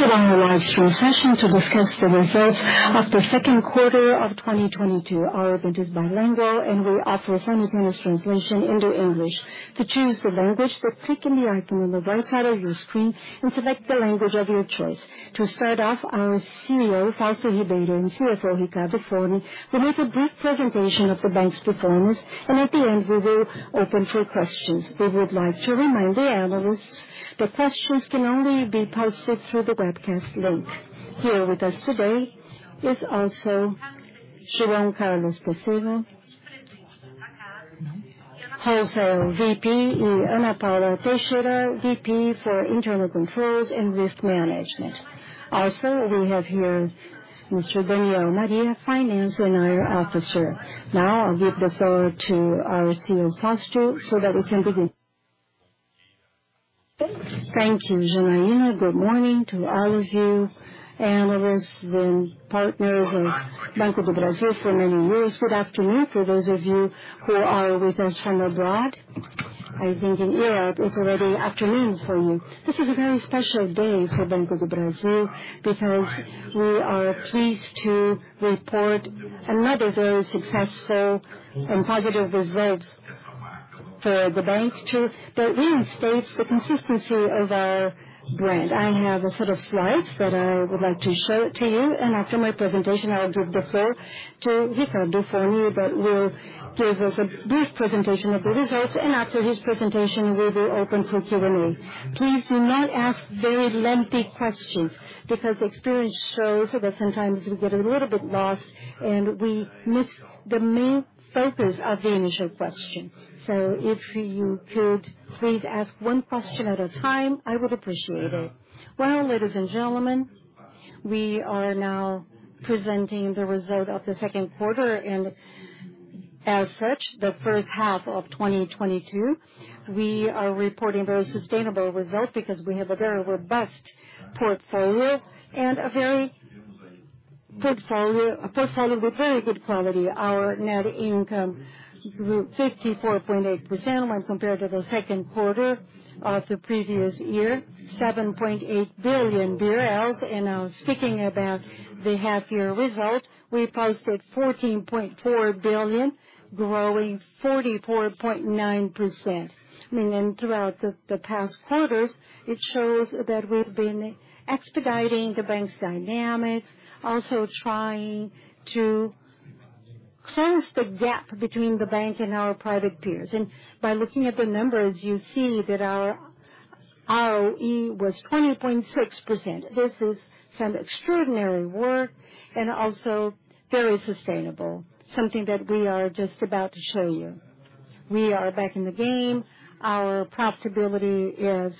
Welcome to our live stream session to discuss the results of the Q2 of 2022. Our event is bilingual, and we offer simultaneous translation into English. To choose the language, just click on the icon on the right side of your screen, and select the language of your choice. To start off, our CEO, Fausto Ribeiro, and CFO, Ricardo Forni, will make a brief presentation of the bank's performance, and at the end, we will open for questions. We would like to remind the analysts that questions can only be posted through the webcast link. Here with us today is also João Carlos Pecego, also VP, and Ana Paula Teixeira, VP for Internal Controls and Risk Management. Also, we have here Mr. Daniel Maria, Finance and IR Officer. Now, I'll give the floor to our CEO, Fausto, so that we can begin. Thank you, Janaína. Good morning to all of you, analysts and partners of Banco do Brasil for many years. Good afternoon for those of you who are with us from abroad. I think in Europe, it's already afternoon for you. This is a very special day for Banco do Brasil because we are pleased to report another very successful and positive results for the bank too, that reinstates the consistency of our brand. I have a set of slides that I would like to show to you. After my presentation, I'll give the floor to Ricardo Forni that will give us a brief presentation of the results. After his presentation, we will open for Q&A. Please do not ask very lengthy questions because experience shows that sometimes we get a little bit lost, and we miss the main focus of the initial question. If you could please ask one question at a time, I would appreciate it. Well, ladies and gentlemen, we are now presenting the result of the Q2, and as such, the first half of 2022. We are reporting very sustainable result because we have a very robust portfolio and a very good portfolio, a portfolio with very good quality. Our net income grew 54.8% when compared to the Q2 of the previous year, 7.8 billion BRL. Now speaking about the half year result, we posted 14.4 billion, growing 44.9%. Then throughout the past quarters, it shows that we've been expediting the bank's dynamics, also trying to close the gap between the bank and our private peers. By looking at the numbers, you see that our ROE was 20.6%. This is some extraordinary work and also very sustainable, something that we are just about to show you. We are back in the game. Our profitability is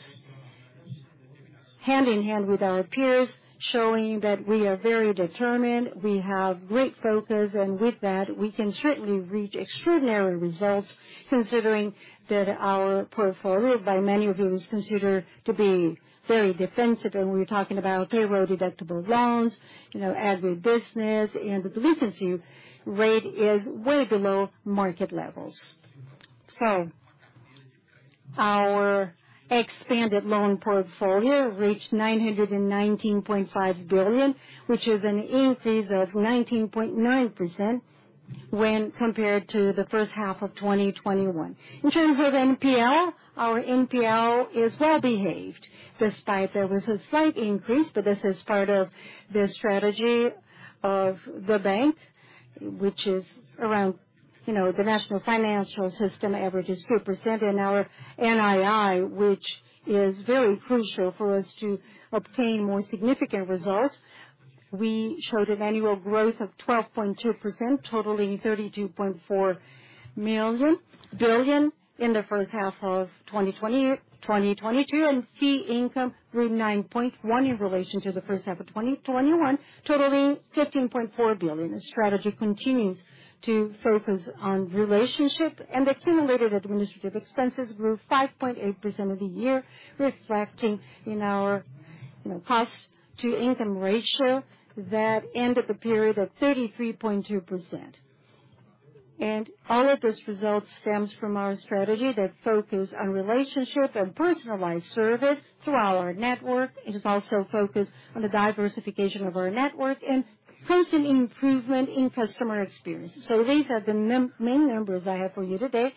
hand in hand with our peers, showing that we are very determined. We have great focus, and with that, we can certainly reach extraordinary results considering that our portfolio, by many of you, is considered to be very defensive. We're talking about payroll-deductible loans, you know, agribusiness, and the delinquency rate is way below market levels. Our expanded loan portfolio reached 919.5 billion, which is an increase of 19.9% when compared to the first half of 2021. In terms of NPL, our NPL is well behaved despite there was a slight increase, but this is part of the strategy of the bank, which is around, you know, the national financial system average is 3%. Our NII, which is very crucial for us to obtain more significant results, we showed an annual growth of 12.2%, totaling 32.4 billion in the first half of 2022. Fee income grew 9.1% in relation to the first half of 2021, totaling 15.4 billion. The strategy continues to focus on relationship, and accumulated administrative expenses grew 5.8% of the year, reflecting in our, you know, cost-to-income ratio that ended the period at 33.2%. All of this result stems from our strategy that focus on relationship and personalized service through our network. It is also focused on the diversification of our network and constant improvement in customer experience. These are the main numbers I have for you today.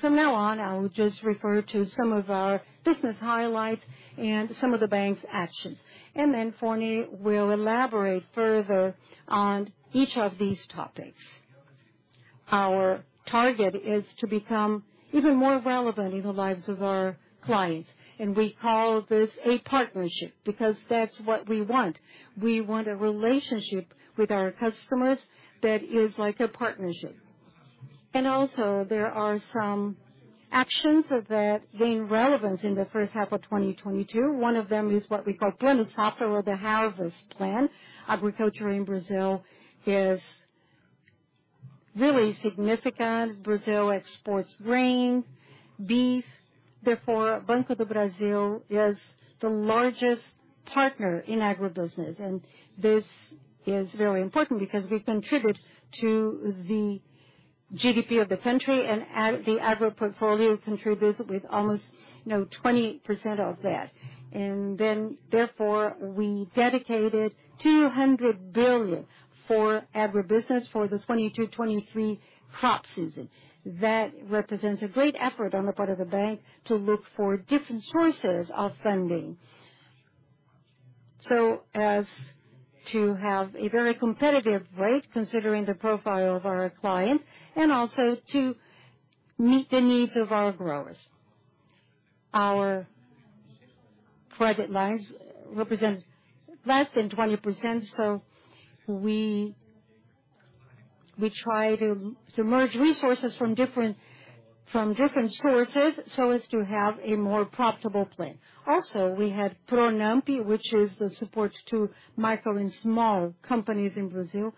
From now on, I'll just refer to some of our business highlights and some of the bank's actions. Then Forni will elaborate further on each of these topics. Our target is to become even more relevant in the lives of our clients, and we call this a partnership because that's what we want. We want a relationship with our customers that is like a partnership. There are some actions that gain relevance in the first half of 2022. One of them is what we call Plano Safra or the Harvest Plan. Agriculture in Brazil is really significant. Brazil exports grain, beef. Therefore, Banco do Brasil is the largest partner in agribusiness. This is very important because we contribute to the GDP of the country and the agro portfolio contributes with almost, you know, 20% of that. Therefore, we dedicated 200 billion for agribusiness for the 2022-2023 crop season. That represents a great effort on the part of the bank to look for different sources of funding. So as to have a very competitive rate considering the profile of our client and also to meet the needs of our growers. Our credit lines represents less than 20%, so we try to merge resources from different sources so as to have a more profitable plan. Also, we have Pronampe, which is the supports to micro and small companies in Brazil.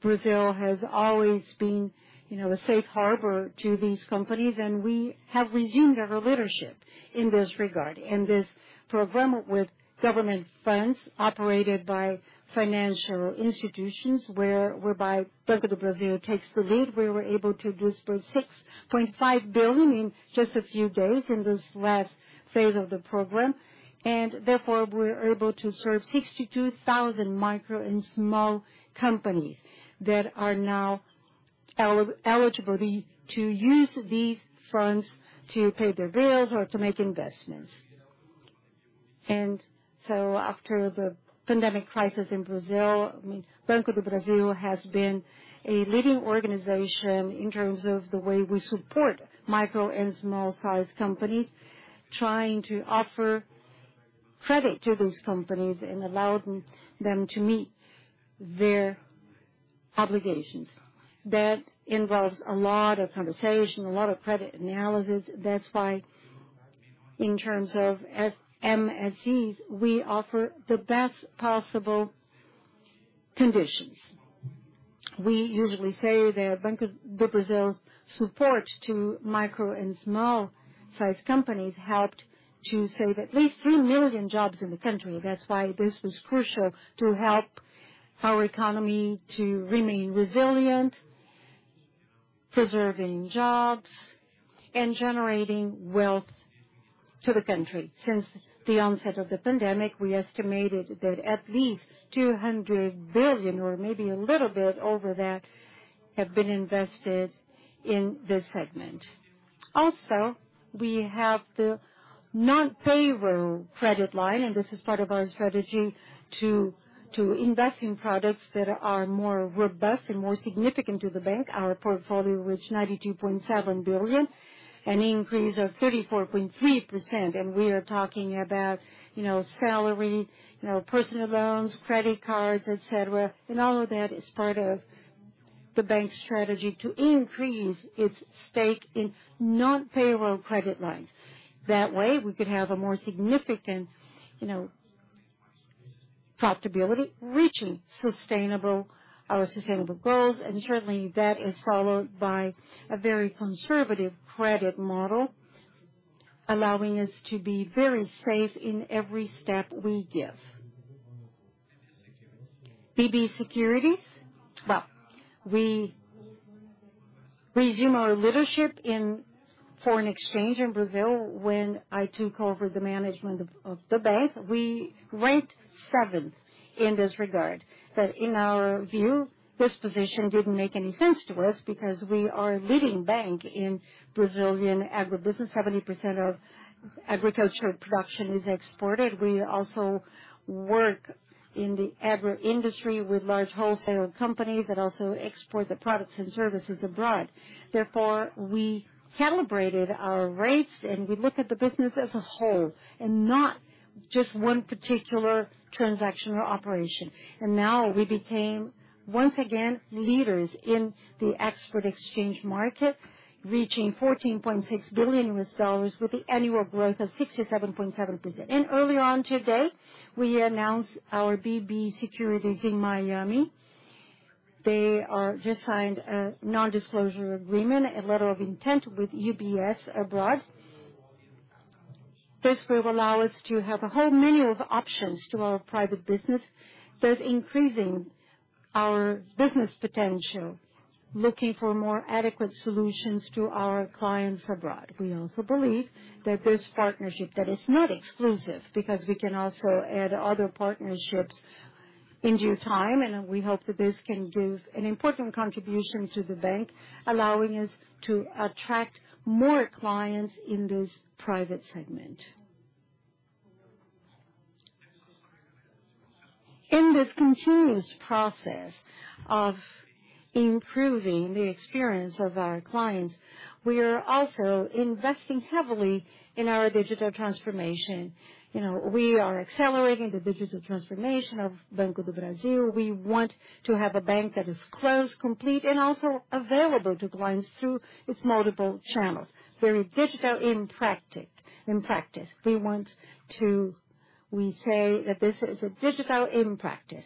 Brazil has always been, you know, a safe harbor to these companies, and we have resumed our leadership in this regard. This program with government funds operated by financial institutions whereby Banco do Brasil takes the lead, we were able to disburse 6.5 billion in just a few days in this last phase of the program. Therefore, we're able to serve 62,000 micro and small companies that are now eligible to use these funds to pay their bills or to make investments. After the pandemic crisis in Brazil, I mean, Banco do Brasil has been a leading organization in terms of the way we support micro and small-sized companies, trying to offer credit to those companies and allowing them to meet their obligations. That involves a lot of conversation, a lot of credit analysis. That's why in terms of SMEs, we offer the best possible conditions. We usually say that Banco do Brasil's support to micro and small-sized companies helped to save at least 3 million jobs in the country. That's why this was crucial to help our economy to remain resilient, preserving jobs, and generating wealth to the country. Since the onset of the pandemic, we estimated that at least 200 billion or maybe a little bit over that have been invested in this segment. Also, we have the non-payroll credit line, and this is part of our strategy to invest in products that are more robust and more significant to the bank. Our portfolio reached 92.7 billion, an increase of 34.3%. We are talking about, you know, salary, you know, personal loans, credit cards, et cetera. All of that is part of the bank's strategy to increase its stake in non-payroll credit lines. That way, we could have a more significant, you know, profitability, reaching our sustainable goals. Certainly, that is followed by a very conservative credit model, allowing us to be very safe in every step we give. BB Securities. Well, we resumed our leadership in foreign exchange in Brazil when I took over the management of the bank. We ranked seventh in this regard. In our view, this position didn't make any sense to us because we are a leading bank in Brazilian agribusiness. 70% of agricultural production is exported. We also work in the agro industry with large wholesale companies that also export the products and services abroad. Therefore, we calibrated our rates, and we look at the business as a whole and not just one particular transaction or operation. Now we became, once again, leaders in the FX exchange market, reaching $14.6 billion with the annual growth of 67.7%. Early on today, we announced our BB Securities in Miami. Just signed a non-disclosure agreement, a letter of intent with UBS abroad. This will allow us to have a whole menu of options to our private business that's increasing our business potential, looking for more adequate solutions to our clients abroad. We also believe that this partnership, that is not exclusive, because we can also add other partnerships in due time. We hope that this can give an important contribution to the bank, allowing us to attract more clients in this private segment. In this continuous process of improving the experience of our clients, we are also investing heavily in our digital transformation. You know, we are accelerating the digital transformation of Banco do Brasil. We want to have a bank that is close, complete, and also available to clients through its multiple channels. Very digital in practice. We say that this is a digital in practice.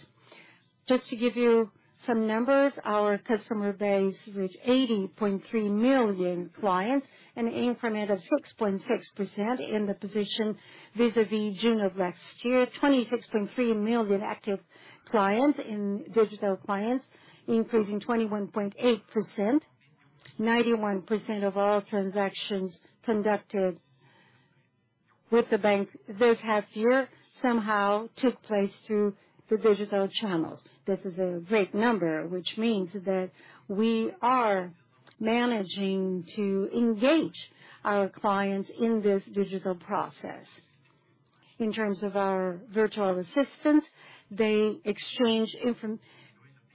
Just to give you some numbers, our customer base reached 80.3 million clients, an increment of 6.6% in the position vis-à-vis June of last year. 26.3 million active clients in digital clients, increasing 21.8%. 91% of all transactions conducted with the bank this half year somehow took place through the digital channels. This is a great number, which means that we are managing to engage our clients in this digital process. In terms of our virtual assistants, they exchange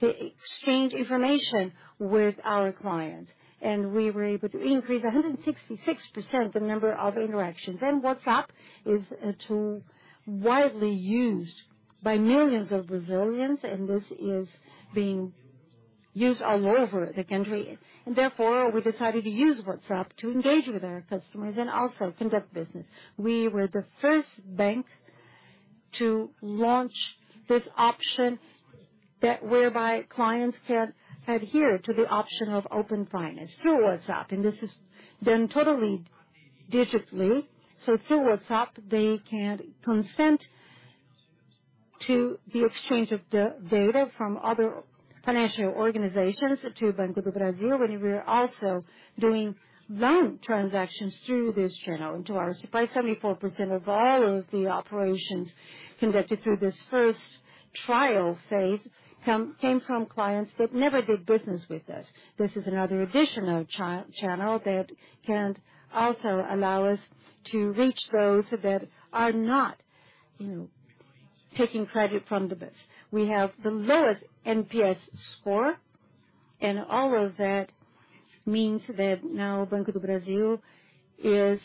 information with our clients, and we were able to increase 166% the number of interactions. WhatsApp is a tool widely used by millions of Brazilians, and this is being used all over the country. Therefore, we decided to use WhatsApp to engage with our customers and also conduct business. We were the first bank to launch this option that whereby clients can adhere to the option of Open Finance through WhatsApp. This is done totally digitally. Through WhatsApp, they can consent to the exchange of the data from other financial organizations to Banco do Brasil. We are also doing loan transactions through this channel into our supply. 74% of all of the operations conducted through this first trial phase came from clients that never did business with us. This is another additional channel that can also allow us to reach those that are not, you know, taking credit from the banks. We have the lowest NPS score, and all of that means that now Banco do Brasil is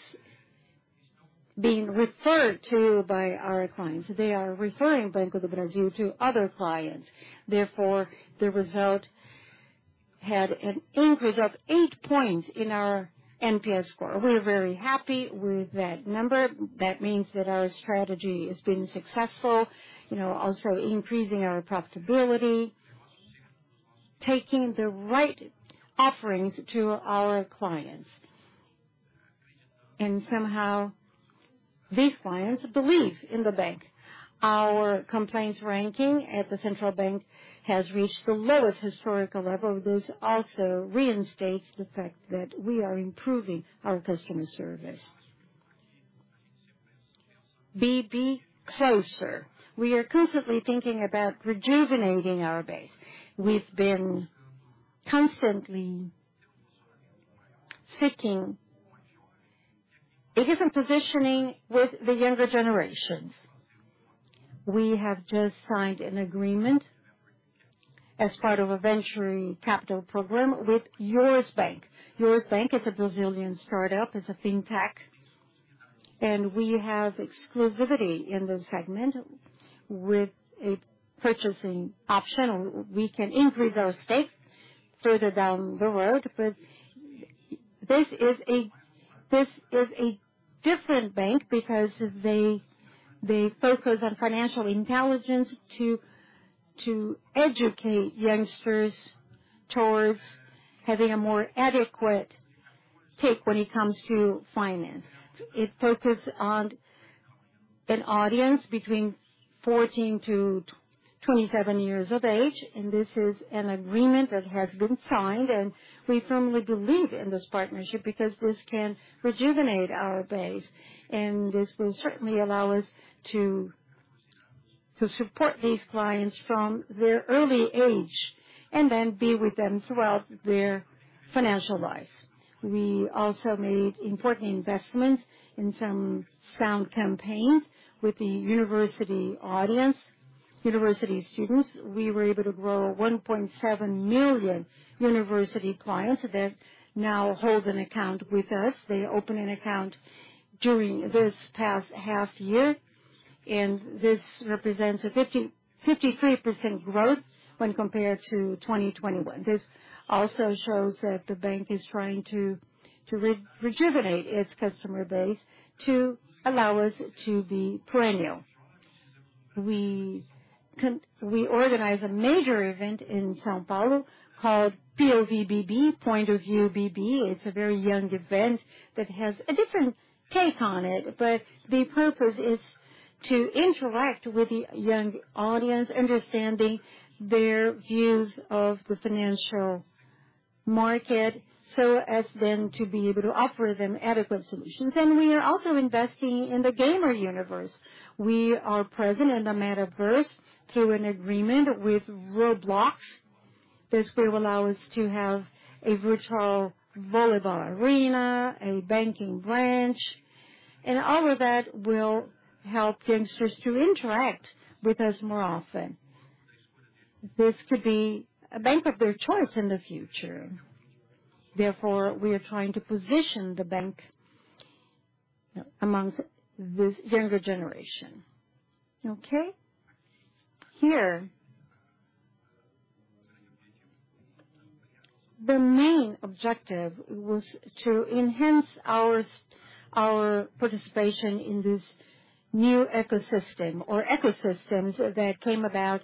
being referred to by our clients. They are referring Banco do Brasil to other clients. Therefore, the result had an increase of eight points in our NPS score. We're very happy with that number. That means that our strategy has been successful, you know, also increasing our profitability, taking the right offerings to our clients. Somehow these clients believe in the bank. Our complaints ranking at the Central Bank of Brazil has reached the lowest historical level. This also reinstates the fact that we are improving our customer service. BB Closer. We are constantly thinking about rejuvenating our base. We've been constantly seeking a different positioning with the younger generations. We have just signed an agreement as part of a venture capital program with Yours Bank. Yours Bank is a Brazilian startup, is a fintech, and we have exclusivity in this segment. With a purchasing option, we can increase our stake further down the road. This is a different bank because they focus on financial intelligence to educate youngsters towards having a more adequate take when it comes to finance. It focus on an audience between 14-27 years of age, and this is an agreement that has been signed, and we firmly believe in this partnership because this can rejuvenate our base, and this will certainly allow us to support these clients from their early age and then be with them throughout their financial lives. We also made important investments in some sound campaigns with the university audience, university students. We were able to grow 1.7 million university clients that now hold an account with us. They opened an account during this past half year, and this represents a 53% growth when compared to 2021. This also shows that the bank is trying to rejuvenate its customer base to allow us to be perennial. We organized a major event in São Paulo called POV BB, Point of View BB. It's a very young event that has a different take on it, but the purpose is to interact with the young audience, understanding their views of the financial market, so as then to be able to offer them adequate solutions. We are also investing in the gamer universe. We are present in the Metaverse through an agreement with Roblox. This will allow us to have a virtual volleyball arena, a banking branch, and all of that will help youngsters to interact with us more often. This could be a bank of their choice in the future. Therefore, we are trying to position the bank amongst this younger generation. Okay? Here, the main objective was to enhance our our participation in this new ecosystem or ecosystems that came about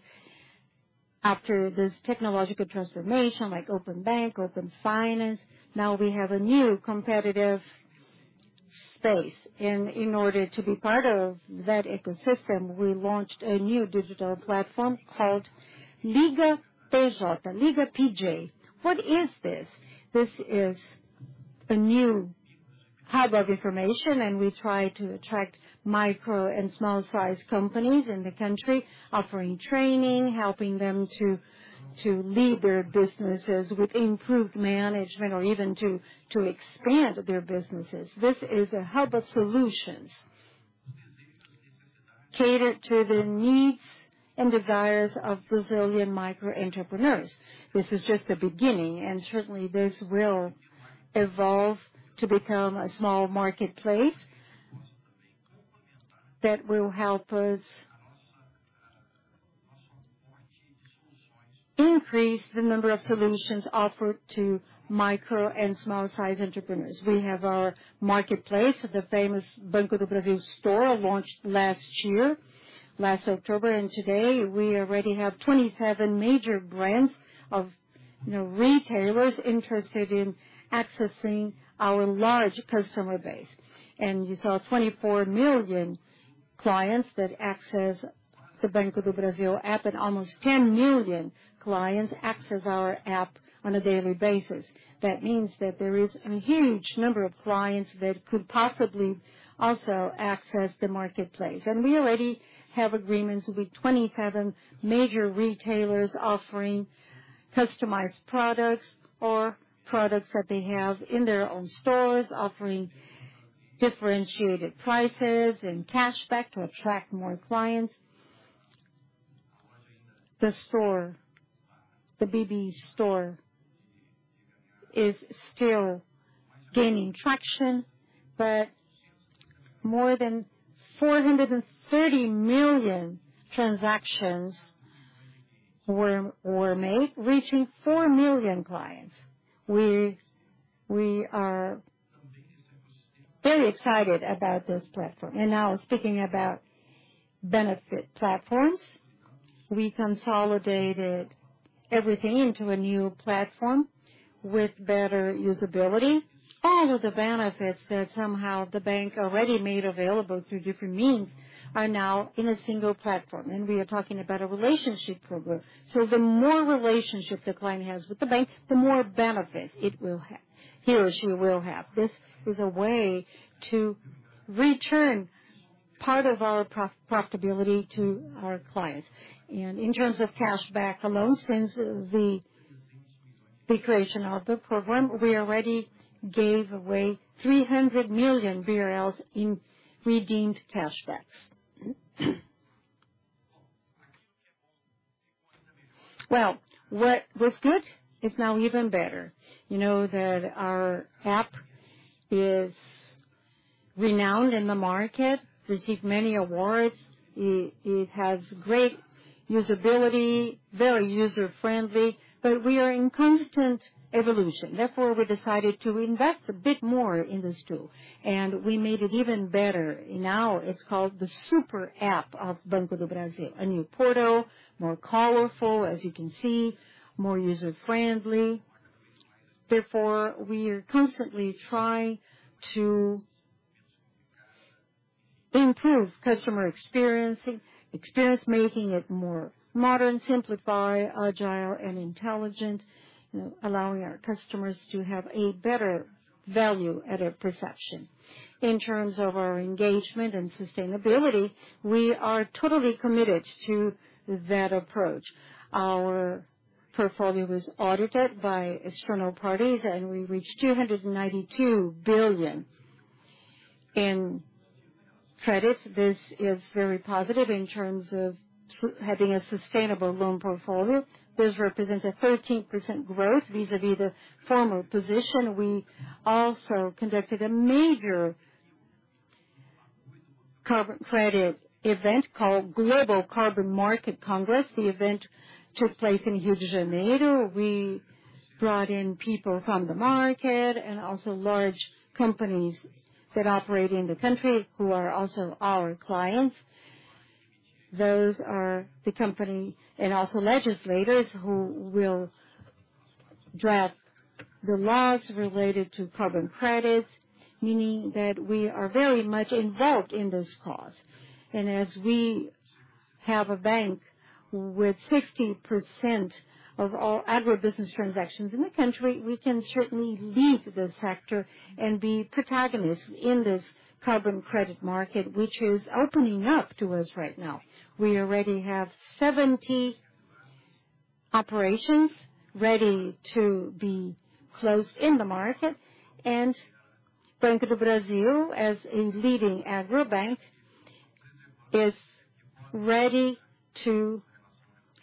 after this technological transformation, like Open Banking, Open Finance. Now we have a new competitive space. In order to be part of that ecosystem, we launched a new digital platform called Liga PJ. What is this? This is a new hub of information, and we try to attract micro and small-sized companies in the country, offering training, helping them to lead their businesses with improved management or even to expand their businesses. This is a hub of solutions catered to the needs and desires of Brazilian micro entrepreneurs. This is just the beginning, and certainly, this will evolve to become a small marketplace that will help us increase the number of solutions offered to micro and small-sized entrepreneurs. We have our marketplace at the famous Loja BB, launched last year, last October. Today, we already have 27 major brands of, you know, retailers interested in accessing our large customer base. You saw 24 million clients that access the Banco do Brasil app, and almost 10 million clients access our app on a daily basis. That means that there is a huge number of clients that could possibly also access the marketplace. We already have agreements with 27 major retailers offering customized products or products that they have in their own stores, offering differentiated prices and cashback to attract more clients. The store, the BB store is still gaining traction, but more than 430 million transactions were made, reaching 4 million clients. We are very excited about this platform. Now speaking about benefit platforms, we consolidated everything into a new platform with better usability. All of the benefits that somehow the bank already made available through different means are now in a single platform. We are talking about a relationship program. The more relationship the client has with the bank, the more benefit it will he or she will have. This is a way to return part of our profitability to our clients. In terms of cashback alone, since the creation of the program, we already gave away 300 million BRL in redeemed cashbacks. Well, what was good is now even better. You know that our app is renowned in the market, received many awards. It has great usability, very user-friendly, but we are in constant evolution. Therefore, we decided to invest a bit more in this tool, and we made it even better. Now it's called the Super App of Banco do Brasil. A new portal, more colorful, as you can see, more user-friendly. Therefore, we are constantly trying to improve customer experience, making it more modern, simple, agile and intelligent, you know, allowing our customers to have a better value added perception. In terms of our engagement and sustainability, we are totally committed to that approach. Our portfolio was audited by external parties, and we reached 292 billion in credits. This is very positive in terms of having a sustainable loan portfolio. This represents a 13% growth vis-à-vis the former position. We also conducted a major carbon credit event called Global Carbon Market Congress. The event took place in Rio de Janeiro. We brought in people from the market and also large companies that operate in the country who are also our clients. Those are the company and also legislators who will draft the laws related to carbon credits, meaning that we are very much involved in this cause. As we have a bank with 60% of all agribusiness transactions in the country, we can certainly lead this sector and be protagonists in this carbon credit market, which is opening up to us right now. We already have 70 operations ready to be closed in the market. Banco do Brasil, as a leading agro bank, is ready to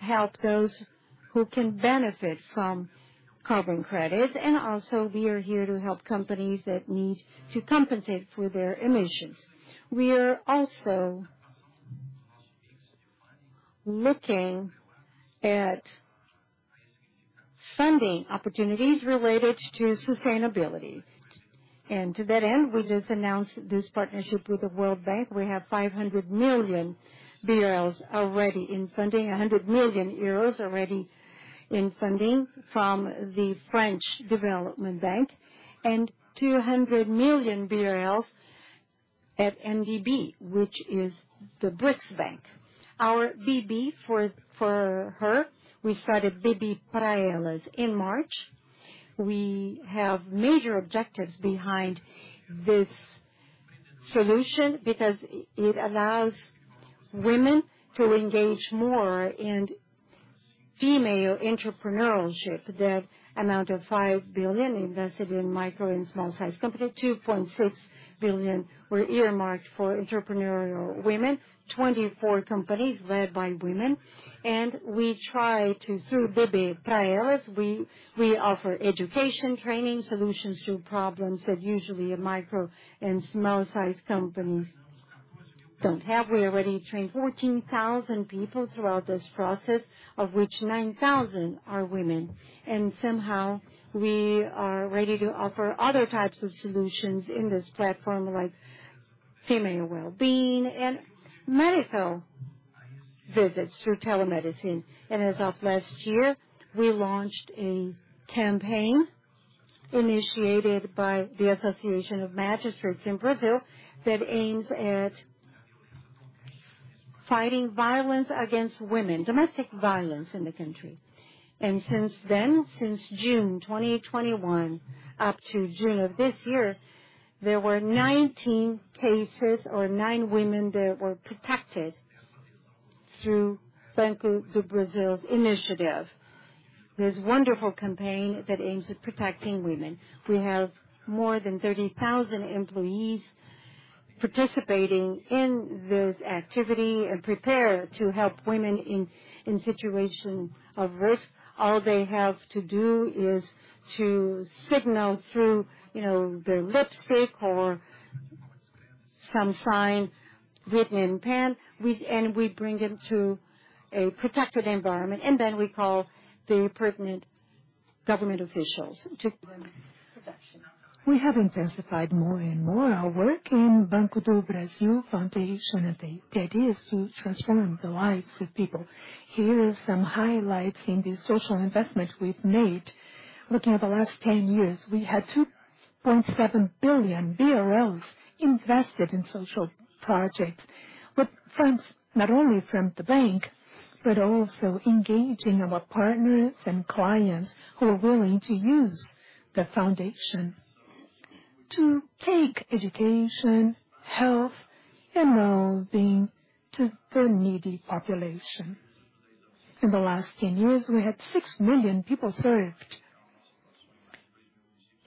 help those who can benefit from carbon credits. Also, we are here to help companies that need to compensate for their emissions. We are also looking at funding opportunities related to sustainability. To that end, we just announced this partnership with the World Bank. We have 500 million BRL already in funding, 100 million euros already in funding from the French Development Bank and 200 million BRL at NDB, which is the New Development Bank. Our BB Para Elas, we started BB Para Elas in March. We have major objectives behind this solution because it allows women to engage more in female entrepreneurship. The amount of 5 billion invested in micro and small size company, 2.6 billion were earmarked for entrepreneurial women, 24 companies led by women. We try to, through BB Para Elas, we offer education, training, solutions to problems that usually micro and small-sized companies don't have. We already trained 14,000 people throughout this process, of which 9,000 are women. Somehow we are ready to offer other types of solutions in this platform, like female well-being and medical visits through telemedicine. As of last year, we launched a campaign initiated by the Association of Magistrates in Brazil that aims at fighting violence against women, domestic violence in the country. Since then, since June 2021 up to June of this year, there were 19 cases or nine women that were protected through Banco do Brasil's initiative. This wonderful campaign that aims at protecting women. We have more than 30,000 employees participating in this activity and prepared to help women in situation of risk. All they have to do is to signal through, you know, their lipstick or some sign written in pen. We bring them to a protected environment, and then we call the pertinent government officials. We have intensified more and more our work in Banco do Brasil Foundation. The idea is to transform the lives of people. Here are some highlights in the social investment we've made. Looking at the last 10 years, we had 2.7 billion BRL invested in social projects with funds, not only from the bank, but also engaging our partners and clients who are willing to use the foundation to take education, health, and well-being to the needy population. In the last 10 years, we had 6 million people served.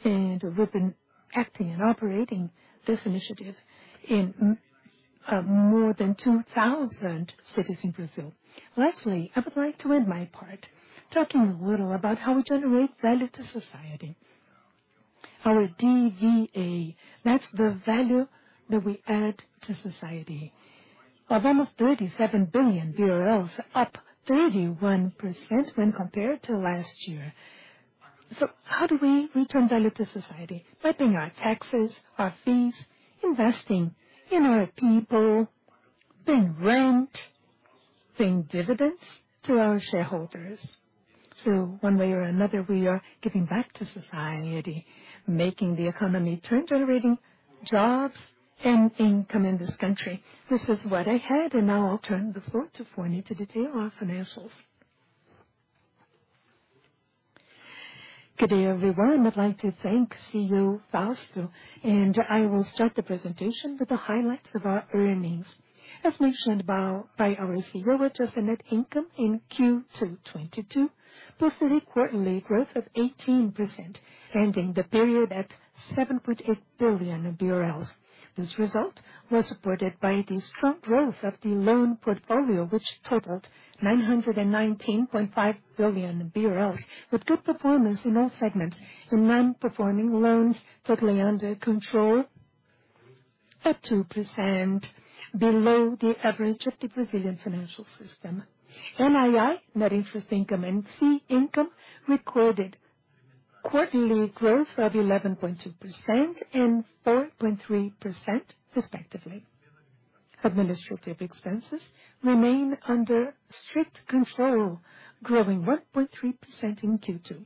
We've been acting and operating this initiative in more than 2,000 cities in Brazil. Lastly, I would like to end my part talking a little about how we generate value to society. Our DVA, that's the value that we add to society, of almost BRL 37 billion, up 31% when compared to last year. How do we return value to society? By paying our taxes, our fees, investing in our people, paying rent, paying dividends to our shareholders. One way or another, we are giving back to society, making the economy turn, generating jobs and income in this country. This is what I had, and now I'll turn the floor to Forni to detail our financials. Good day, everyone. I'd like to thank CEO Fausto Ribeiro, and I will start the presentation with the highlights of our earnings. As mentioned by our CEO, adjusted net income in Q2 2022 posted a quarterly growth of 18%, ending the period at 7.8 billion BRL. This result was supported by the strong growth of the loan portfolio, which totaled 919.5 billion BRL, with good performance in all segments. The non-performing loans totally under control at 2% below the average of the Brazilian financial system. NII, net interest income, and fee income recorded quarterly growth of 11.2% and 4.3% respectively. Administrative expenses remain under strict control, growing 1.3% in Q2.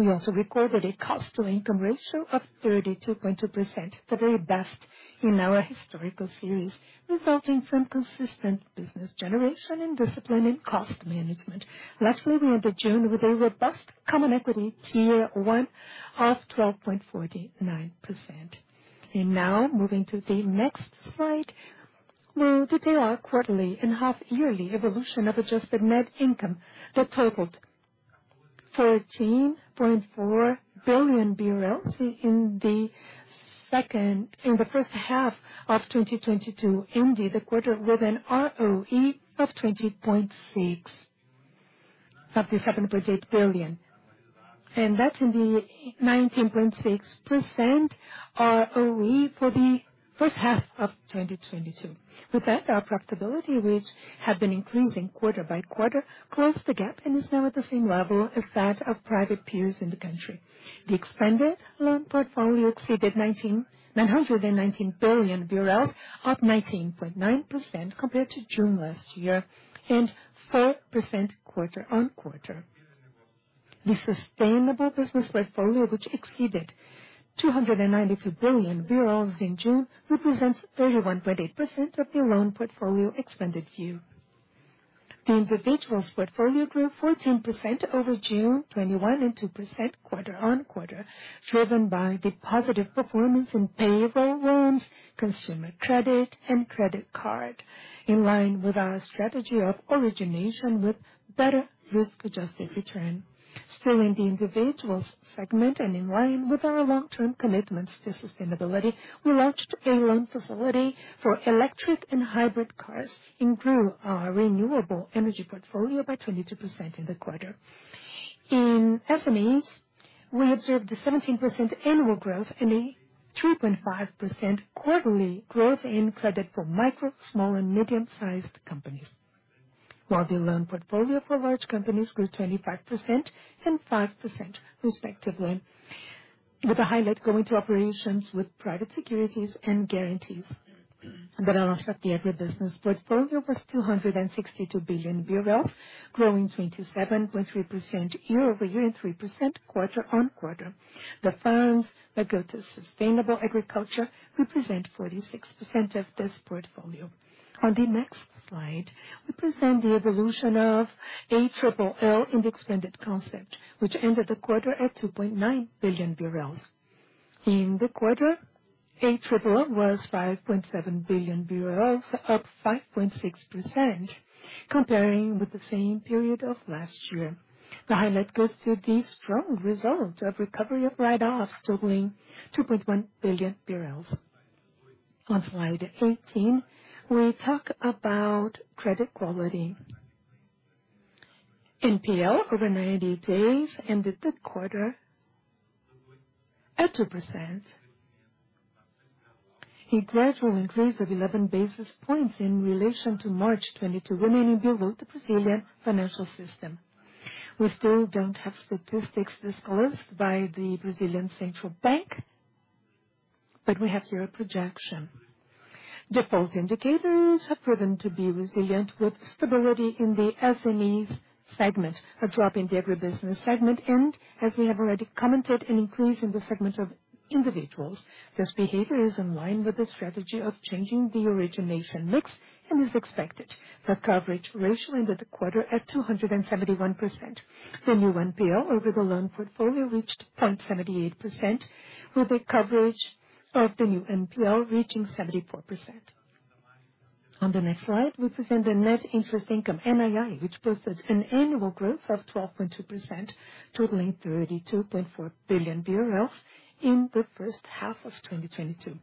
We also recorded a cost-to-income ratio of 32.2%, the very best in our historical series, resulting from consistent business generation and discipline in cost management. Lastly, we ended June with a robust CET1 of 12.49%. Now moving to the next slide. We'll detail our quarterly and half-yearly evolution of adjusted net income that totaled 13.4 billion BRL in the first half of 2022, ending the quarter with an ROE of 20.6% of the 7.8 billion. That's the 19.6% ROE for the first half of 2022. With that, our profitability, which had been increasing quarter by quarter, closed the gap and is now at the same level as that of private peers in the country. The expanded loan portfolio exceeded 919 billion BRL, up 19.9% compared to June last year, and 4% quarter-on-quarter. The sustainable business portfolio, which exceeded BRL 292 billion in June, represents 31.8% of the loan portfolio expanded view. The individuals portfolio grew 14% over June 2021, and 2% quarter-on-quarter, driven by the positive performance in payroll loans, consumer credit, and credit card. In line with our strategy of origination with better risk-adjusted return. Still in the individuals segment and in line with our long-term commitments to sustainability, we launched a loan facility for electric and hybrid cars and grew our renewable energy portfolio by 22% in the quarter. In SMEs, we observed a 17% annual growth and a 3.5% quarterly growth in credit for micro, small, and medium-sized companies, while the loan portfolio for large companies grew 25% and 5% respectively, with the highlight going to operations with private securities and guarantees. The balance of the agribusiness portfolio was BRL 262 billion, growing 27.3% year-over-year and 3% quarter-on-quarter. The funds that go to sustainable agriculture represent 46% of this portfolio. On the next slide, we present the evolution of ALLL in the expanded concept, which ended the quarter at 2.9 billion BRL. In the quarter, ALLL was 5.7 billion BRL, up 5.6% comparing with the same period of last year. The highlight goes to the strong results of recovery of write-offs totaling 2.1 billion BRL. On slide 18, we talk about credit quality. NPL over 90 days ended the quarter at 2%, a gradual increase of 11 basis points in relation to March 2022, remaining below the Brazilian financial system. We still don't have statistics disclosed by the Central Bank of Brazil, but we have here a projection. Default indicators have proven to be resilient, with stability in the SMEs segment, a drop in the agribusiness segment, and as we have already commented, an increase in the segment of individuals. This behavior is in line with the strategy of changing the origination mix and is expected. The coverage ratio ended the quarter at 271%. The new NPL over the loan portfolio reached 0.78%, with the coverage of the new NPL reaching 74%. On the next slide, we present the net interest income, NII, which posted an annual growth of 12.2%, totaling BRL 32.4 billion in the first half of 2022.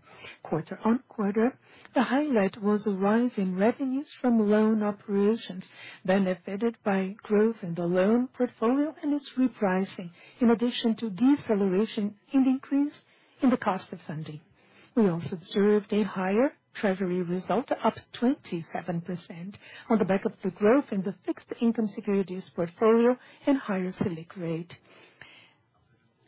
Quarter-on-quarter, the highlight was a rise in revenues from loan operations benefited by growth in the loan portfolio and its repricing, in addition to deceleration in the increase in the cost of funding. We also observed a higher treasury result, up 27% on the back of the growth in the fixed income securities portfolio and higher Selic rate.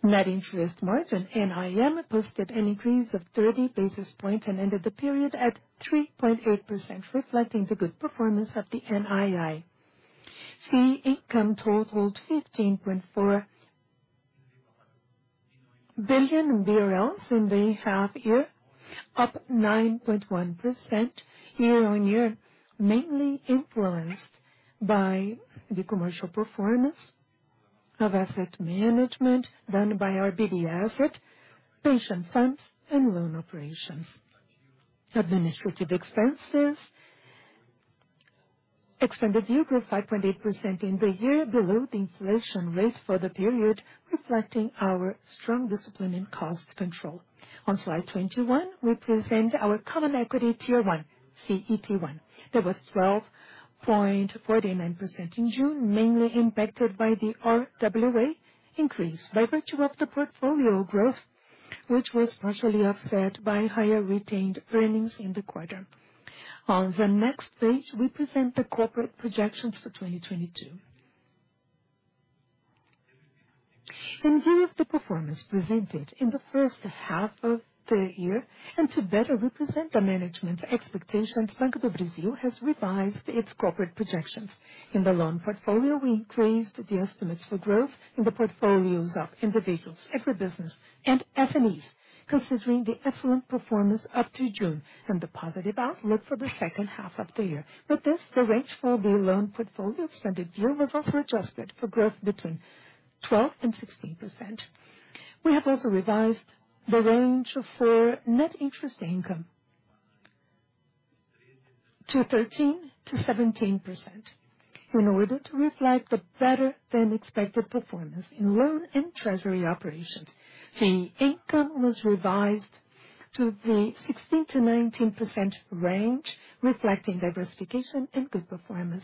Net interest margin, NIM, posted an increase of 30 basis points and ended the period at 3.8%, reflecting the good performance of the NII. Fee income totaled 15.4 billion BRL in the half year, up 9.1% year-over-year, mainly influenced by the commercial performance of asset management done by our BB Asset, pension funds, and loan operations. Administrative expenses, extended view grew 5.8% in the year, below the inflation rate for the period, reflecting our strong discipline in cost control. On slide 21, we present our common equity tier one, CET1. That was 12.49% in June, mainly impacted by the RWA increase, leverage of the portfolio growth, which was partially offset by higher retained earnings in the quarter. On the next page, we present the corporate projections for 2022. In view of the performance presented in the first half of the year and to better represent the management's expectations, Banco do Brasil has revised its corporate projections. In the loan portfolio, we increased the estimates for growth in the portfolios of individuals, agribusiness, and SMEs, considering the excellent performance up to June and the positive outlook for the second half of the year. With this, the range for the loan portfolio extended view was also adjusted for growth between 12% and 16%. We have also revised the range for net interest income to 13%-17% in order to reflect the better than expected performance in loan and treasury operations. Fee income was revised to the 16%-19% range, reflecting diversification and good performance.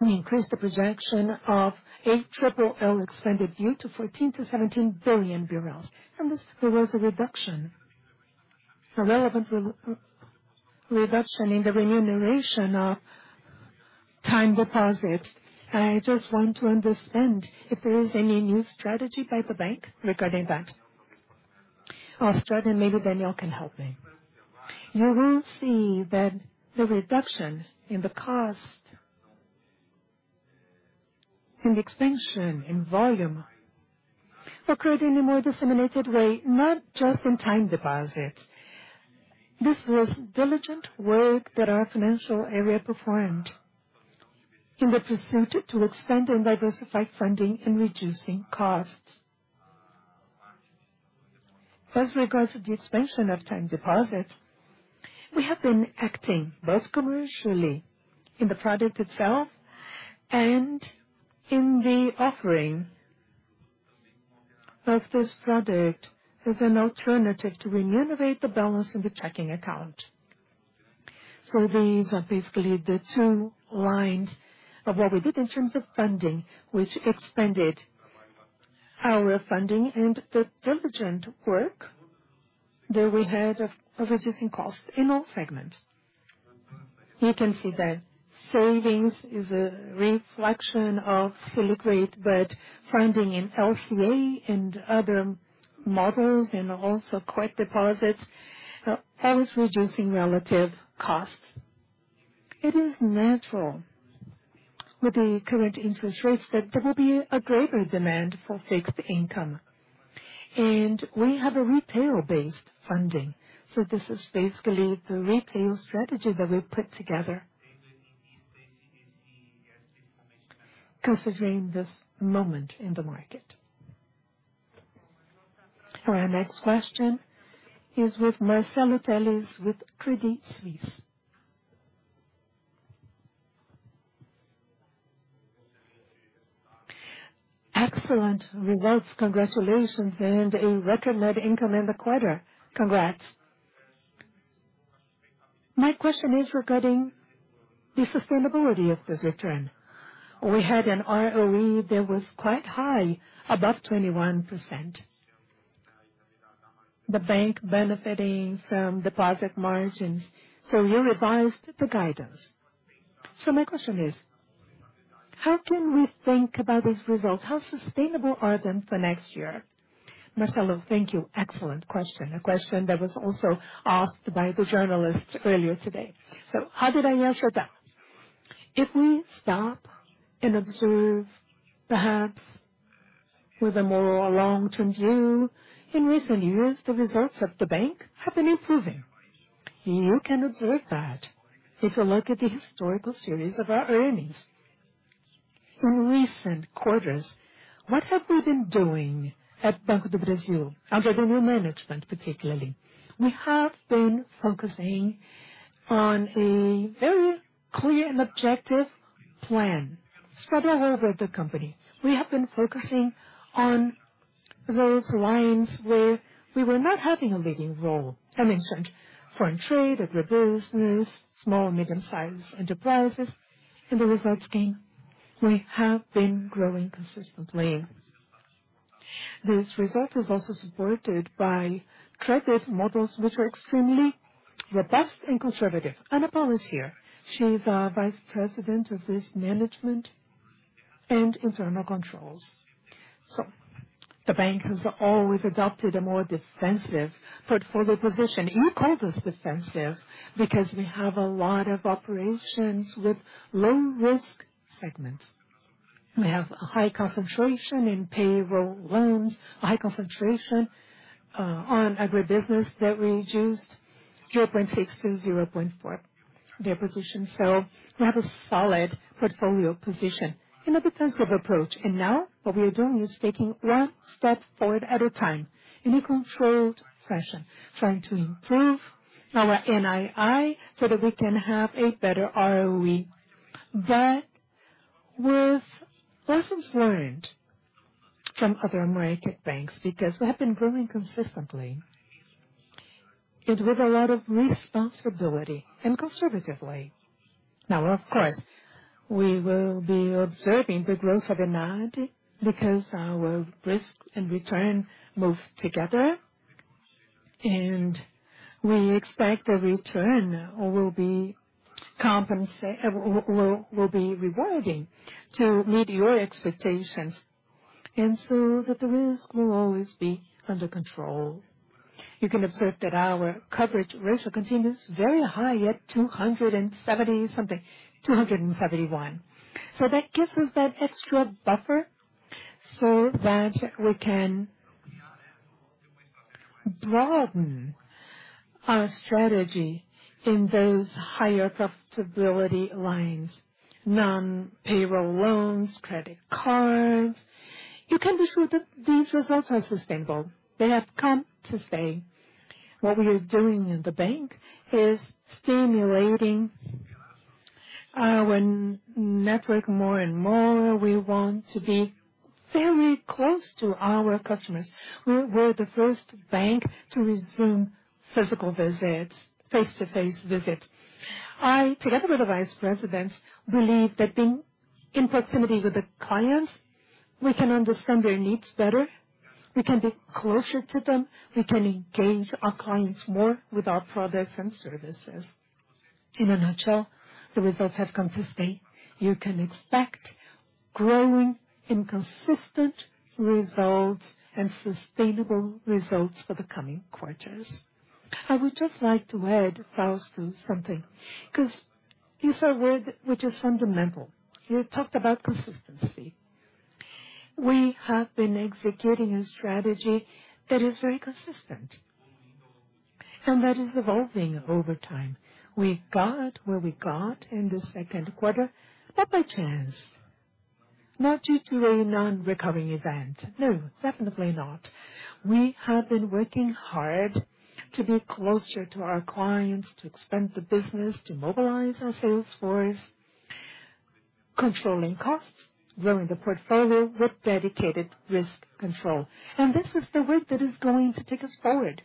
We increased the projection of ALLL expanded view to 14 billion-17 billion BRL. This, there was a reduction, a relevant reduction in the remuneration of time deposit. I just want to understand if there is any new strategy by the bank regarding that. I'll start, and maybe Daniel Maria can help me. You will see that the reduction in the cost, in the expansion, in volume occurred in a more disseminated way, not just in time deposits. This was diligent work that our financial area performed in the pursuit to extend and diversify funding and reducing costs. As regards to the expansion of time deposits, we have been acting both commercially in the product itself and in the offering of this product as an alternative to renovate the balance in the checking account. These are basically the two lines of what we did in terms of funding, which expanded our funding and the diligent work that we had of reducing costs in all segments. You can see that savings is a reflection of Selic rate, but funding in LCA and other models and also Pix deposits helps reducing relative costs. It is natural with the current interest rates that there will be a greater demand for fixed income, and we have a retail-based funding. This is basically the retail strategy that we put together considering this moment in the market. Our next question is with Marcelo Telles, with Credit Suisse. Excellent results. Congratulations, and a record net income in the quarter. Congrats. My question is regarding the sustainability of this return. We had an ROE that was quite high, above 21%. The bank benefiting from deposit margins. You revised the guidance. My question is: How can we think about these results? How sustainable are them for next year? Marcelo, thank you. Excellent question. A question that was also asked by the journalists earlier today. How did I answer that? If we stop and observe, perhaps with a more long-term view, in recent years, the results of the bank have been improving. You can observe that if you look at the historical series of our earnings. In recent quarters, what have we been doing at Banco do Brasil under the new management, particularly? We have been focusing on a very clear and objective plan spread all over the company. We have been focusing on those lines where we were not having a leading role. I mentioned foreign trade, agribusiness, small- and medium-sized enterprises. In the results game, we have been growing consistently. This result is also supported by credit models, which are extremely robust and conservative. Ana Paula is here. She's our Vice President of risk management and internal controls. The bank has always adopted a more defensive portfolio position. You call this defensive because we have a lot of operations with low risk segments. We have a high concentration in payroll loans, a high concentration on agribusiness that reduced 0.6 to 0.4, their position. We have a solid portfolio position in a defensive approach. Now what we are doing is taking one step forward at a time in a controlled fashion, trying to improve our NII so that we can have a better ROE. With lessons learned from other American banks, because we have been growing consistently and with a lot of responsibility and conservatively. Now, of course, we will be observing the growth of the 90 because our risk and return move together, and we expect the return will be rewarding to meet your expectations, and so that the risk will always be under control. You can observe that our coverage ratio continues very high at 270-something, 271. That gives us that extra buffer so that we can broaden our strategy in those higher profitability lines, non-payroll loans, credit cards. You can be sure that these results are sustainable. They have come to stay. What we are doing in the bank is stimulating our network more and more, we want to be very close to our customers. We're the first bank to resume physical visits, face-to-face visits. I, together with the vice presidents, believe that being in proximity with the clients, we can understand their needs better, we can be closer to them, we can engage our clients more with our products and services. In a nutshell, the results have been consistent. You can expect growing and consistent results and sustainable results for the coming quarters. I would just like to add, Fausto, something, 'cause you said a word which is fundamental. You talked about consistency. We have been executing a strategy that is very consistent and that is evolving over time. We got where we got in the Q2, not by chance, not due to a non-recurring event. No, definitely not. We have been working hard to be closer to our clients, to expand the business, to mobilize our sales force, controlling costs, growing the portfolio with dedicated risk control. And this is the work that is going to take us forward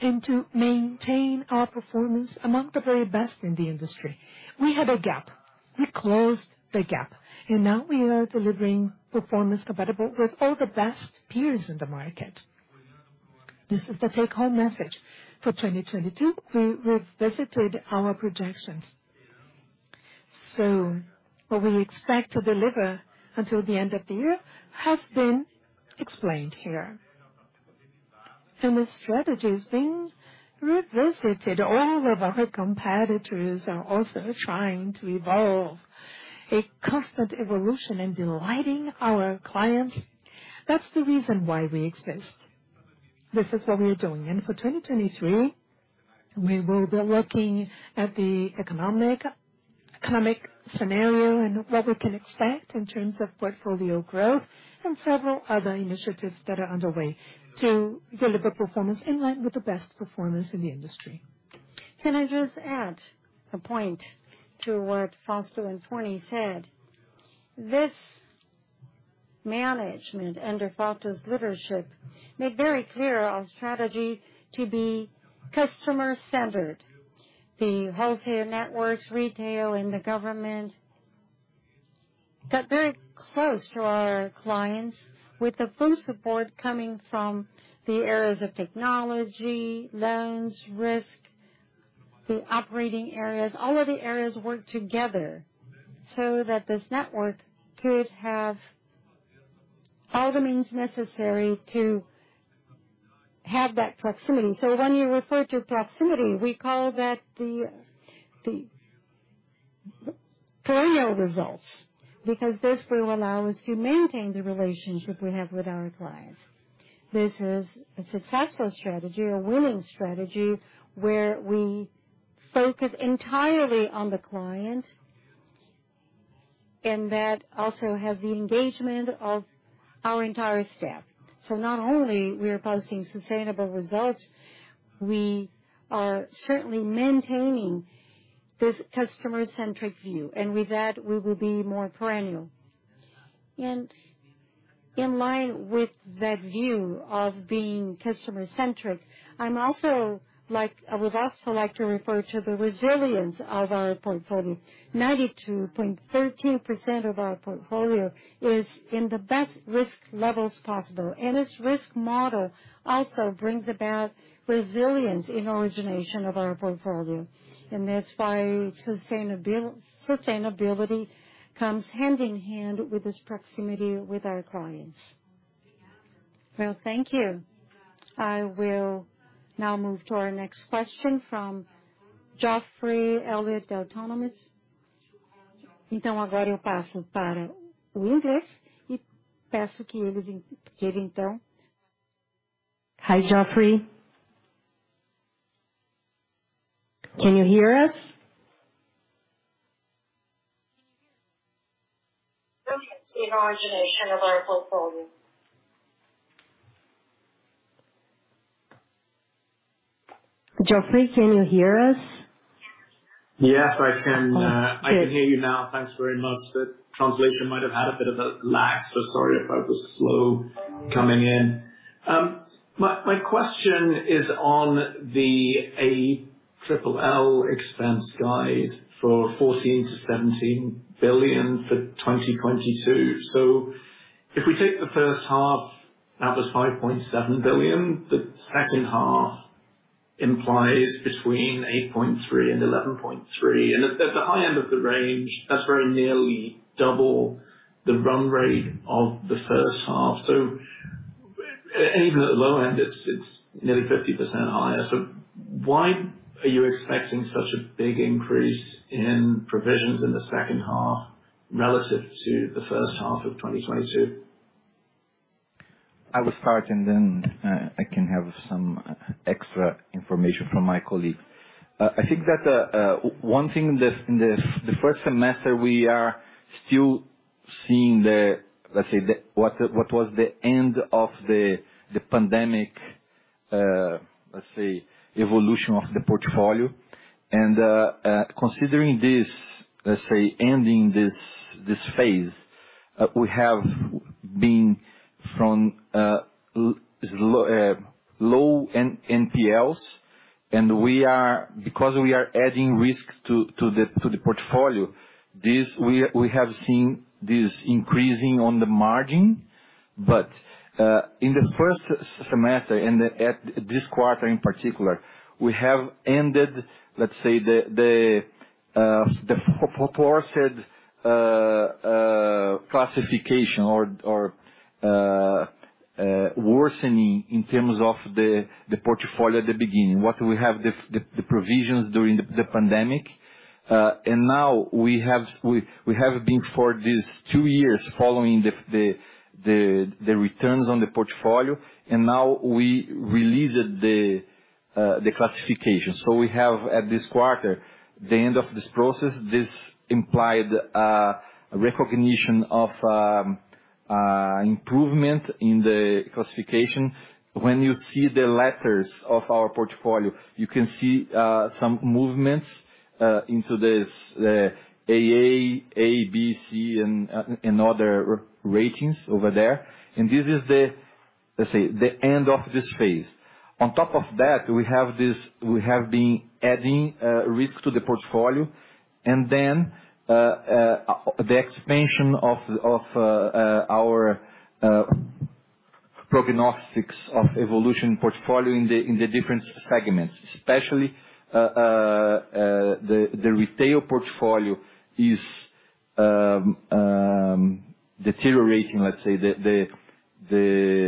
and to maintain our performance among the very best in the industry. We had a gap, we closed the gap, and now we are delivering performance compatible with all the best peers in the market. This is the take home message. For 2022, we revisited our projections. What we expect to deliver until the end of the year has been explained here. The strategy is being revisited. All of our competitors are also trying to evolve. A constant evolution in delighting our clients, that's the reason why we exist. This is what we are doing. For 2023, we will be looking at the economic scenario and what we can expect in terms of portfolio growth and several other initiatives that are underway to deliver performance in line with the best performance in the industry. Can I just add a point to what Fausto and Tony said? This management under Fausto's leadership made very clear our strategy to be customer-centered. The wholesale networks, retail, and the government got very close to our clients with the full support coming from the areas of technology, loans, risk, the operating areas. All of the areas work together so that this network could have all the means necessary to have that proximity. When you refer to proximity, we call that the perennial results, because this will allow us to maintain the relationship we have with our clients. This is a successful strategy, a winning strategy, where we focus entirely on the client, and that also has the engagement of our entire staff. Not only we are posting sustainable results, we are certainly maintaining this customer-centric view. With that, we will be more perennial. In line with that view of being customer-centric, I would also like to refer to the resilience of our portfolio. 92.13% of our portfolio is in the best risk levels possible. Its risk model also brings about resilience in origination of our portfolio. That's why sustainability comes hand in hand with this proximity with our clients. Well, thank you. I will now move to our next question from Geoffrey Elliott, Autonomous Research. Hi, Geoffrey. Can you hear us? In origination of our portfolio. Geoffrey, can you hear us? Yes, I can. I can hear you now. Thanks very much. The translation might have had a bit of a lag, so sorry if I was slow coming in. My question is on the ALL expense guide for 14 billion-17 billion for 2022. If we take the first half, that was 5.7 billion. The second half implies between 8.3 billion and 11.3 billion. At the high end of the range, that's very nearly double the run rate of the first half. Even at the low end, it's nearly 50% higher. Why are you expecting such a big increase in provisions in the second half relative to the first half of 2022? I will start, and then I can have some extra information from my colleagues. I think that one thing in this the first semester, we are still seeing the, let's say, what was the end of the pandemic, let's say, evolution of the portfolio. Considering this, let's say, ending this phase, we have been from low NPLs, and we are because we are adding risk to the portfolio, we have seen this increasing on the margin. In the first semester and at this quarter in particular, we have ended, let's say, the. The postponed classification or worsening in terms of the portfolio at the beginning. We had the provisions during the pandemic. Now we have been for these two years following the returns on the portfolio, and now we released the classification. We have, at this quarter, the end of this process, this implied recognition of improvement in the classification. When you see the letters of our portfolio, you can see some movements into this AA, A, B, C, and other ratings over there. This is the, let's say, end of this phase. On top of that, we have been adding risk to the portfolio and then the expansion of our prognostics of evolution portfolio in the different segments, especially the retail portfolio is deteriorating, let's say, the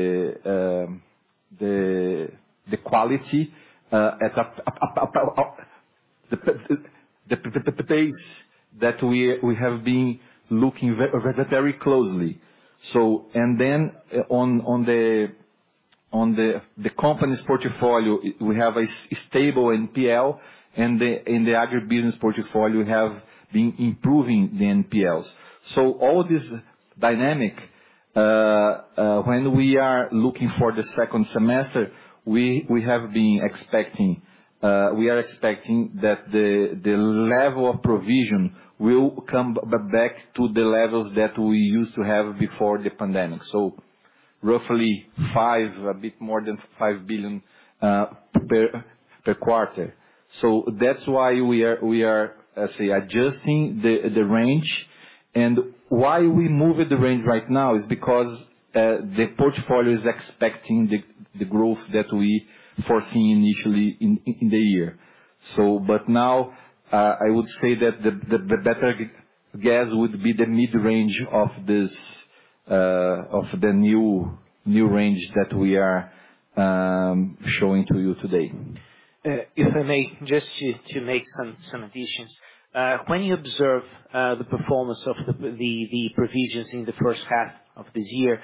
quality at a pace that we have been looking very very closely. On the company's portfolio, we have a stable NPL, and the agribusiness portfolio we have been improving the NPLs. All this dynamic, when we are looking for the second semester, we are expecting that the level of provision will come back to the levels that we used to have before the pandemic. Roughly five, a bit more than 5 billion per quarter. That's why we are, let's say, adjusting the range. Why we moved the range right now is because the portfolio is expecting the growth that we foreseen initially in the year. But now, I would say that the better guess would be the mid-range of this of the new range that we are showing to you today. If I may, just to make some additions. When you observe the performance of the provisions in the first half of this year,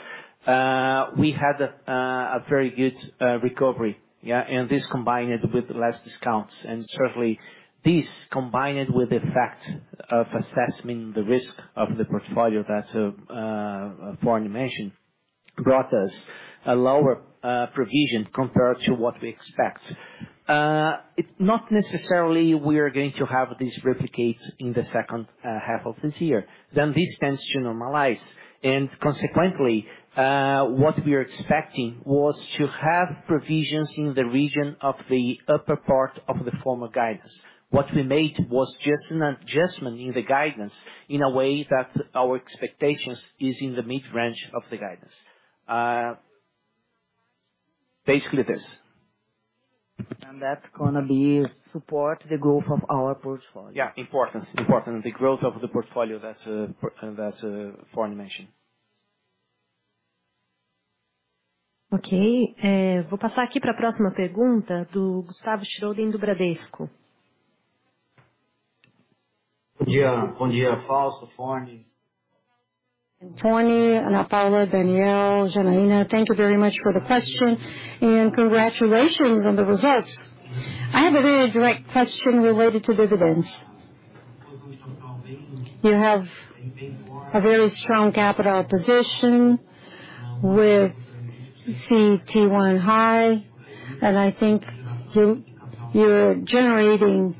we had a very good recovery, and this combined with less discounts. Certainly, this combined with the fact of assessing the risk of the portfolio that Forni mentioned, brought us a lower provision compared to what we expect. It's not necessarily we are going to have this replicate in the second half of this year. This tends to normalize, and consequently, what we are expecting was to have provisions in the region of the upper part of the former guidance. What we made was just an adjustment in the guidance in a way that our expectations is in the mid-range of the guidance. Basically this. That's gonna support the growth of our portfolio. Yeah, importance. The growth of the portfolio, that's Forni mentioned. Okay. Good day, Fausto, Forni. Forni, Ana Paula, Daniel Maria, Janaína, thank you very much for the question, and congratulations on the results. I have a very direct question related to dividends. You have a very strong capital position with CET1 high, and I think you're generating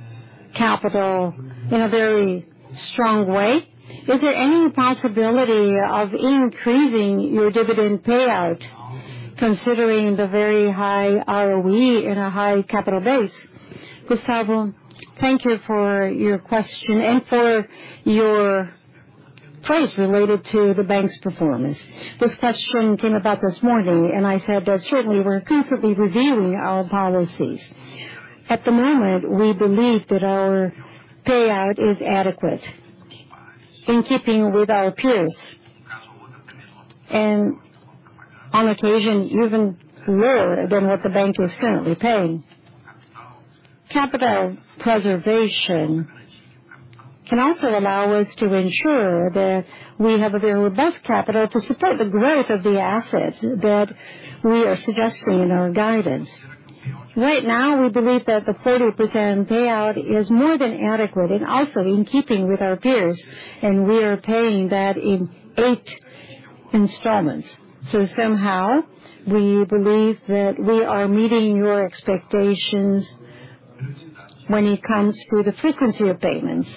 capital in a very strong way. Is there any possibility of increasing your dividend payout considering the very high ROE and a high capital base? Gustavo, thank you for your question and for your praise related to the bank's performance. This question came about this morning, and I said that certainly we're constantly reviewing our policies. At the moment, we believe that our payout is adequate, in keeping with our peers, and on occasion, even lower than what the bank is currently paying. Capital preservation can also allow us to ensure that we have a very robust capital to support the growth of the assets that we are suggesting in our guidance. Right now, we believe that the 40% payout is more than adequate and also in keeping with our peers, and we are paying that in 8 installments. Somehow, we believe that we are meeting your expectations when it comes to the frequency of payments.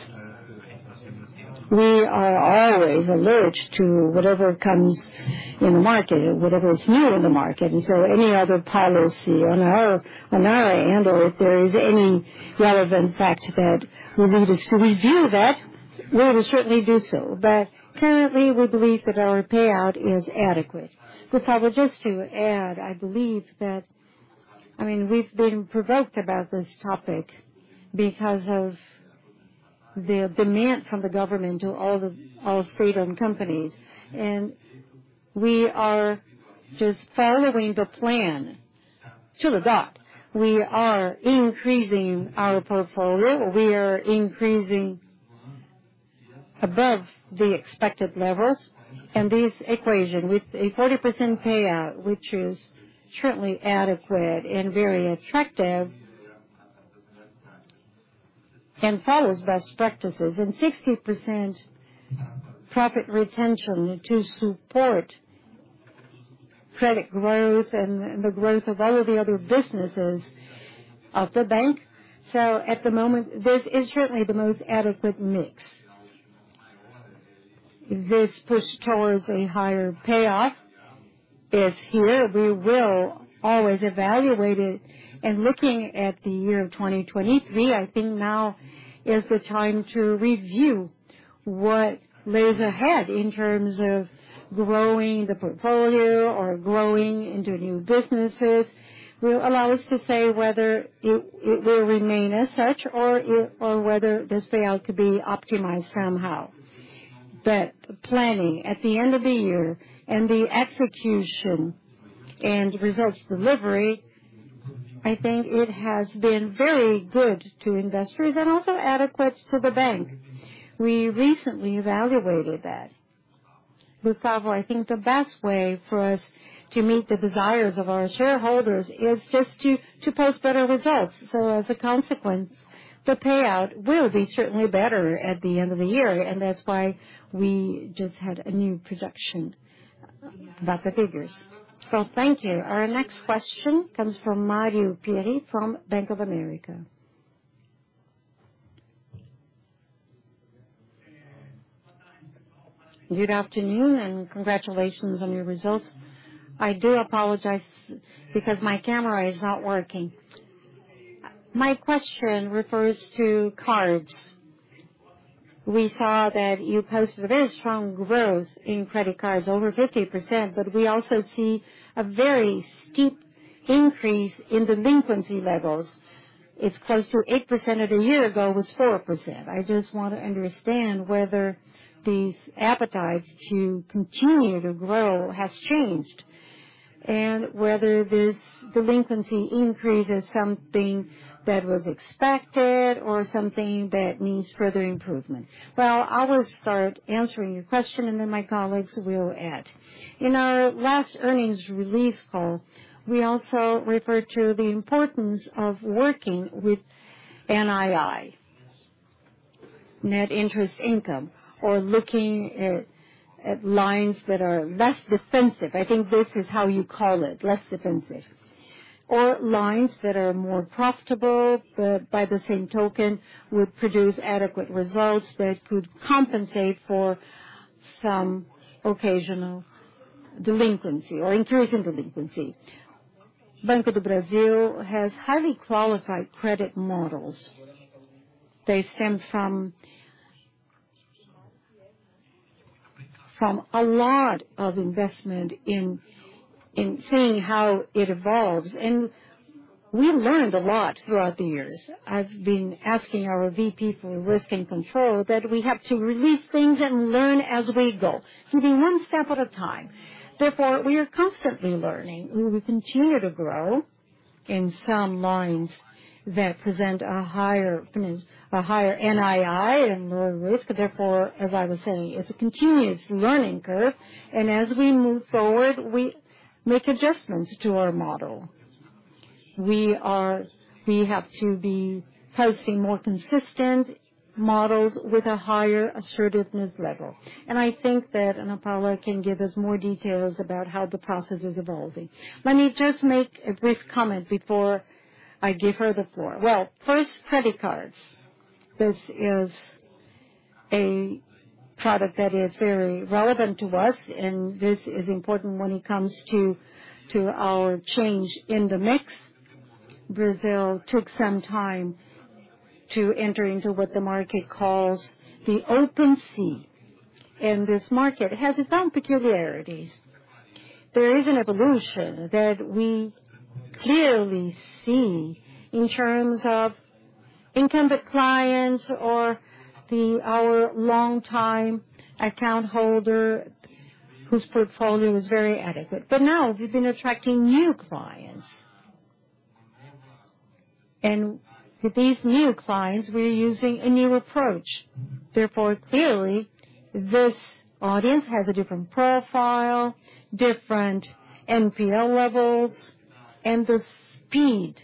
We are always alert to whatever comes in the market or whatever is new in the market. Any other policy on our end or if there is any relevant fact that we need to review that, we will certainly do so. Currently, we believe that our payout is adequate. Gustavo, just to add, I believe that. I mean, we've been provoked about this topic because of the demand from the government to all the federal companies. We are just following the plan to a T. We are increasing our portfolio. We are increasing above the expected levels. This equation with a 40% payout, which is certainly adequate and very attractive, and follows best practices, and 60% profit retention to support credit growth and the growth of all of the other businesses of the bank. At the moment, this is certainly the most adequate mix. This push towards a higher payout is here. We will always evaluate it. Looking at the year 2023, I think now is the time to review what lies ahead in terms of growing the portfolio or growing into new businesses, will allow us to say whether it will remain as such or whether this payout could be optimized somehow. Planning at the end of the year and the execution and results delivery, I think it has been very good to investors and also adequate to the bank. We recently evaluated that. Fausto Ribeiro, I think the best way for us to meet the desires of our shareholders is just to post better results. As a consequence, the payout will be certainly better at the end of the year, and that's why we just had a new projection about the figures. Well, thank you. Our next question comes from Mario Pierry from Bank of America. Good afternoon and congratulations on your results. I do apologize because my camera is not working. My question refers to cards. We saw that you posted very strong growth in credit cards, over 50%, but we also see a very steep increase in delinquency levels. It's close to 8%, and a year ago it was 4%. I just want to understand whether this appetite to continue to grow has changed, and whether this delinquency increase is something that was expected or something that needs further improvement. Well, I will start answering your question, and then my colleagues will add. In our last earnings release call, we also referred to the importance of working with NII, Net Interest Income, or looking at lines that are less defensive. I think this is how you call it, less defensive. Lines that are more profitable, but by the same token, would produce adequate results that could compensate for some occasional delinquency or increase in delinquency. Banco do Brasil has highly qualified credit models. They stem from a lot of investment in seeing how it evolves. We learned a lot throughout the years. I've been asking our VP for Risk and Control that we have to release things and learn as we go. Doing one step at a time. Therefore, we are constantly learning. We will continue to grow in some lines that present a higher, I mean, a higher NII and lower risk. Therefore, as I was saying, it's a continuous learning curve, and as we move forward, we make adjustments to our model. We have to be posting more consistent models with a higher assertiveness level. I think that Ana Paula can give us more details about how the process is evolving. Let me just make a brief comment before I give her the floor. Well, first credit cards. This is a product that is very relevant to us, and this is important when it comes to our change in the mix. Brazil took some time to enter into what the market calls the Open Finance. This market has its own peculiarities. There is an evolution that we clearly see in terms of incumbent clients or our longtime account holder whose portfolio is very adequate. Now we've been attracting new clients. With these new clients, we are using a new approach. Therefore, clearly, this audience has a different profile, different NPL levels, and the speed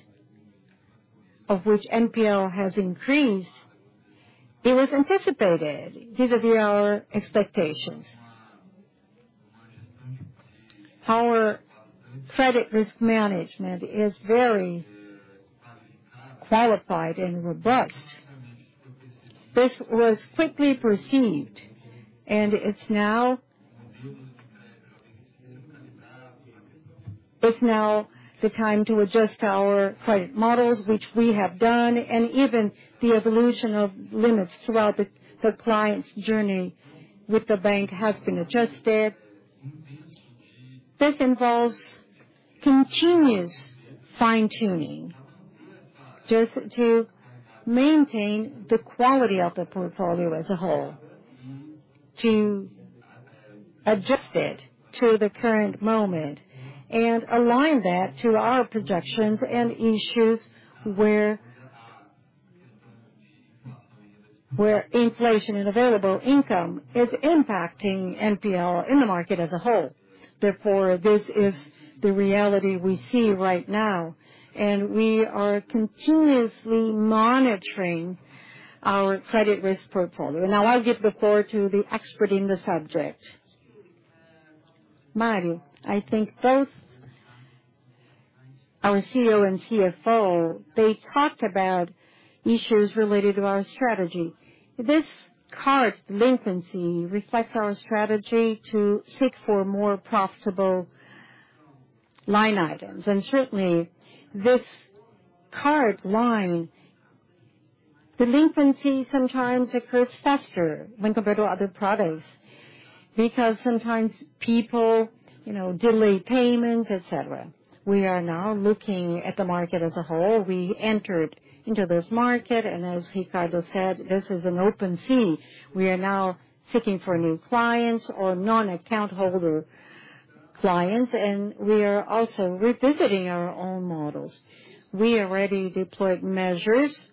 with which NPL has increased, it was anticipated. These are their expectations. Our credit risk management is very qualified and robust. This was quickly perceived, and it's now the time to adjust our credit models, which we have done, and even the evolution of limits throughout the client's journey with the bank has been adjusted. This involves continuous fine-tuning just to maintain the quality of the portfolio as a whole, to adjust it to the current moment and align that to our projections and issues where inflation and available income is impacting NPL in the market as a whole. Therefore, this is the reality we see right now, and we are continuously monitoring our credit risk portfolio. Now, I'll give the floor to the expert in the subject. Mario, I think both our CEO and CFO, they talked about issues related to our strategy. This card delinquency reflects our strategy to seek for more profitable line items. Certainly, this card line delinquency sometimes occurs faster when compared to other products because sometimes people, you know, delay payment, et cetera. We are now looking at the market as a whole. We entered into this market, and as Ricardo said, this is an open sea. We are now seeking for new clients or non-account holder clients, and we are also revisiting our own models. We already deployed measures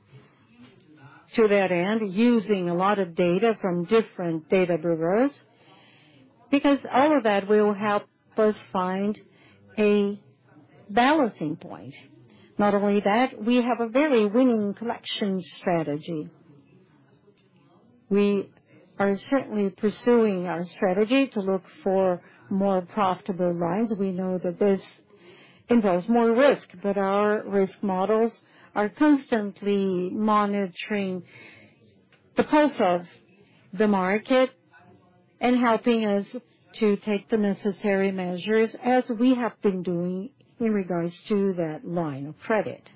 to that end, using a lot of data from different data providers, because all of that will help us find a balancing point. Not only that, we have a very winning collection strategy. We are certainly pursuing our strategy to look for more profitable lines. We know that this involves more risk, but our risk models are constantly monitoring the pulse of the market and helping us to take the necessary measures as we have been doing in regards to that line of credit.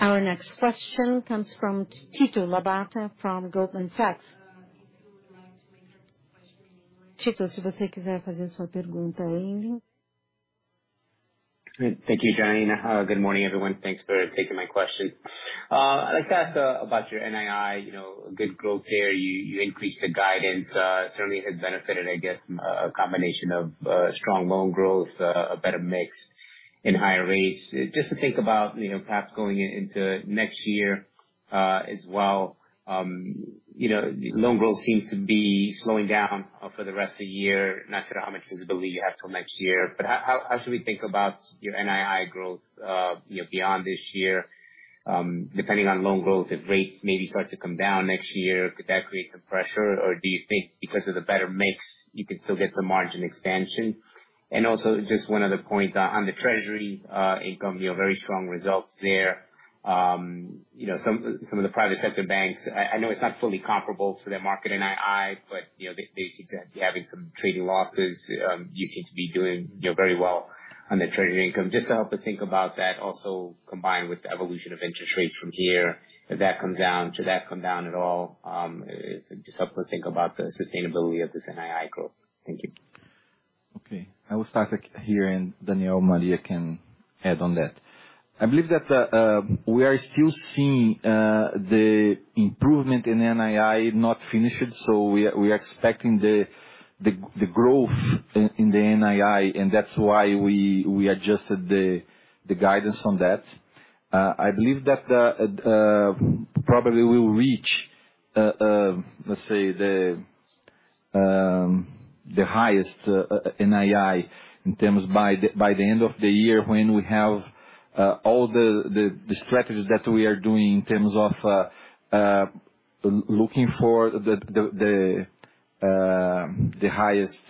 Our next question comes from Tito Labarta from Goldman Sachs. Tito, if you want to ask your question in- Thank you, Janaína. Good morning, everyone. Thanks for taking my question. I'd like to ask about your NII. You know, good growth there. You increased the guidance. Certainly it had benefited, I guess, from a combination of strong loan growth, a better mix and higher rates. Just to think about, you know, perhaps going into next year, as well, you know, loan growth seems to be slowing down for the rest of the year. Not sure how much visibility you have till next year, but how should we think about your NII growth, you know, beyond this year, depending on loan growth, if rates maybe start to come down next year, could that create some pressure, or do you think because of the better mix, you could still get some margin expansion? Also, just one other point. On the treasury income, you have very strong results there. You know, some of the private sector banks, I know it's not fully comparable to their market NII, but, you know, they seem to be having some trading losses. You seem to be doing, you know, very well on the treasury income. Just to help us think about that also combined with the evolution of interest rates from here, if that comes down, should that come down at all, just help us think about the sustainability of this NII growth. Thank you. Okay. I will start here, and Daniel Maria can add on that. I believe that we are still seeing the improvement in NII not finished, so we are expecting the growth in the NII, and that's why we adjusted the guidance on that. I believe that probably we will reach let's say the highest NII in terms by the end of the year when we have all the strategies that we are doing in terms of looking for the highest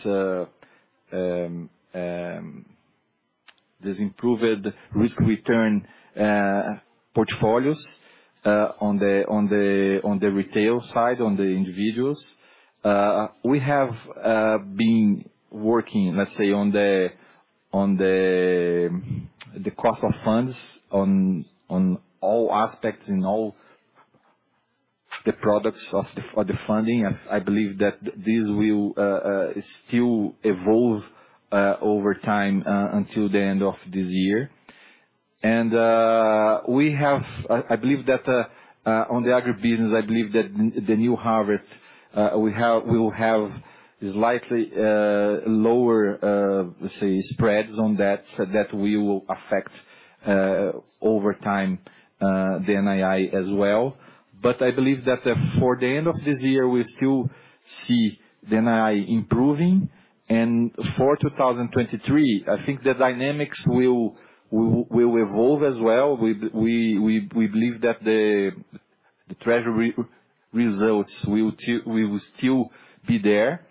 this improved risk return portfolios on the retail side, on the individuals. We have been working, let's say, on the cost of funds on all aspects, in all the products of the funding. I believe that this will still evolve over time until the end of this year. I believe that on the agribusiness, the new harvest, we will have slightly lower, let's say, spreads on that, so that we will affect over time the NII as well. I believe that for the end of this year, we still see the NII improving. For 2023, I think the dynamics will evolve as well. We believe that the treasury results will still be there,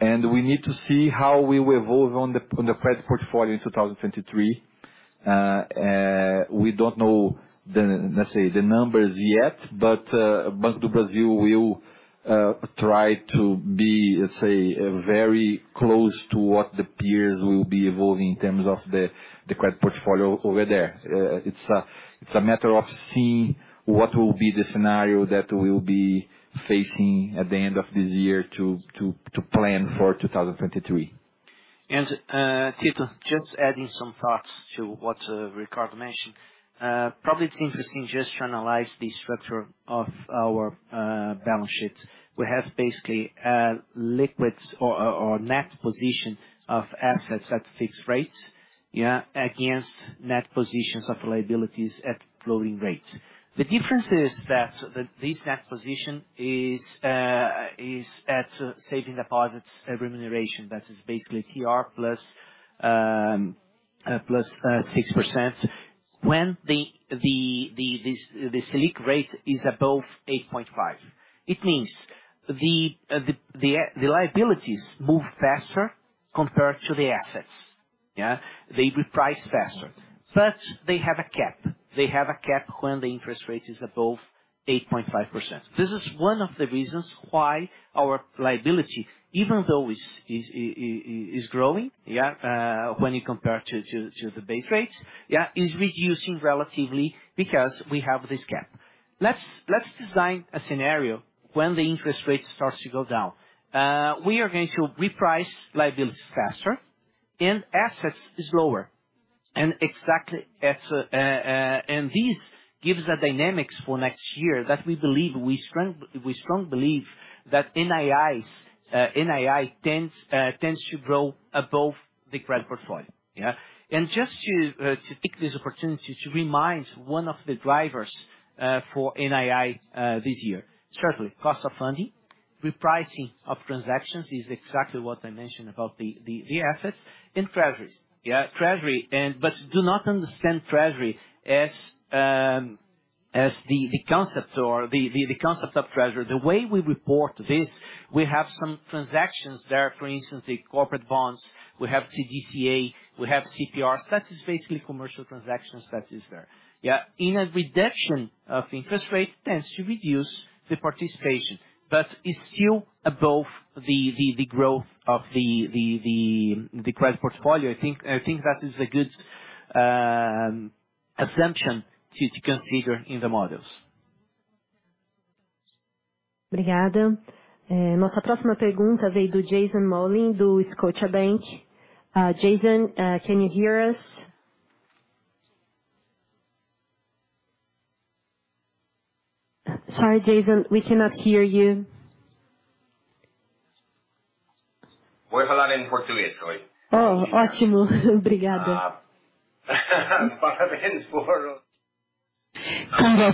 and we need to see how we will evolve on the credit portfolio in 2023. We don't know, let's say, the numbers yet, but Banco do Brasil will try to be, let's say, very close to what the peers will be evolving in terms of the credit portfolio over there. It's a matter of seeing what will be the scenario that we'll be facing at the end of this year to plan for 2023. Tito, just adding some thoughts to what Ricardo mentioned. Probably it's interesting just to analyze the structure of our balance sheet. We have basically liquids or net position of assets at fixed rates against net positions of liabilities at floating rates. The difference is that this net position is at savings deposits remuneration. That is basically TR plus 6%. When this SELIC rate is above 8.5, it means the liabilities move faster compared to the assets. They reprice faster, but they have a cap. They have a cap when the interest rate is above 8.5%. This is one of the reasons why our liabilities, even though are growing, when you compare to the base rates, are reducing relatively because we have this cap. Let's design a scenario when the interest rate starts to go down. We are going to reprice liabilities faster and assets slower. Exactly as this gives the dynamics for next year that we strongly believe that NII tends to grow above the credit portfolio. Just to take this opportunity to remind one of the drivers for NII this year. Firstly, cost of funding. Repricing of transactions is exactly what I mentioned about the assets and treasuries. Do not understand treasury as the concept of treasury. The way we report this, we have some transactions there. For instance, the corporate bonds, we have CDCA, we have CPR. That is basically commercial transactions that is there. Yeah. In a reduction of interest rate tends to reduce the participation, but it's still above the growth of the credit portfolio. I think that is a good assumption to consider in the models. Jason, can you hear us? Sorry, Jason, we cannot hear you. Oh,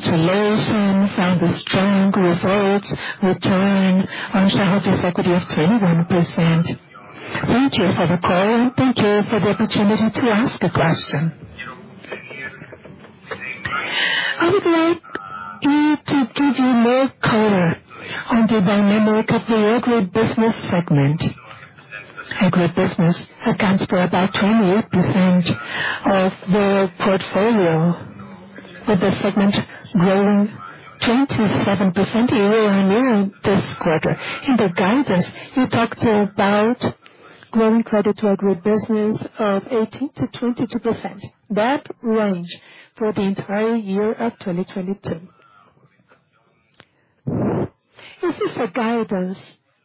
congratulations on the strong results return on shareholders' equity of 21%. Thank you for the call. Thank you for the opportunity to ask a question. I would like you to give me more color on the dynamic of the agribusiness segment. Agribusiness accounts for about 28% of the portfolio, with the segment growing 27% year-on-year this quarter. In the guidance, you talked about growing credit to agribusiness of 18%-22%, that range for the entire year of 2022. Is this a guidance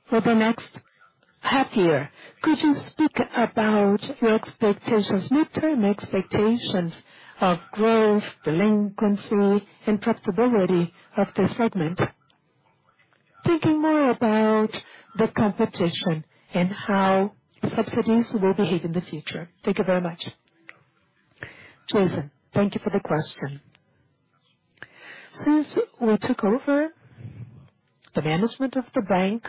for the next half year? Could you speak about your expectations, mid-term expectations of growth, delinquency and profitability of this segment? Thinking more about the competition and how subsidies will behave in the future. Thank you very much. Jason, thank you for the question. Since we took over the management of the bank,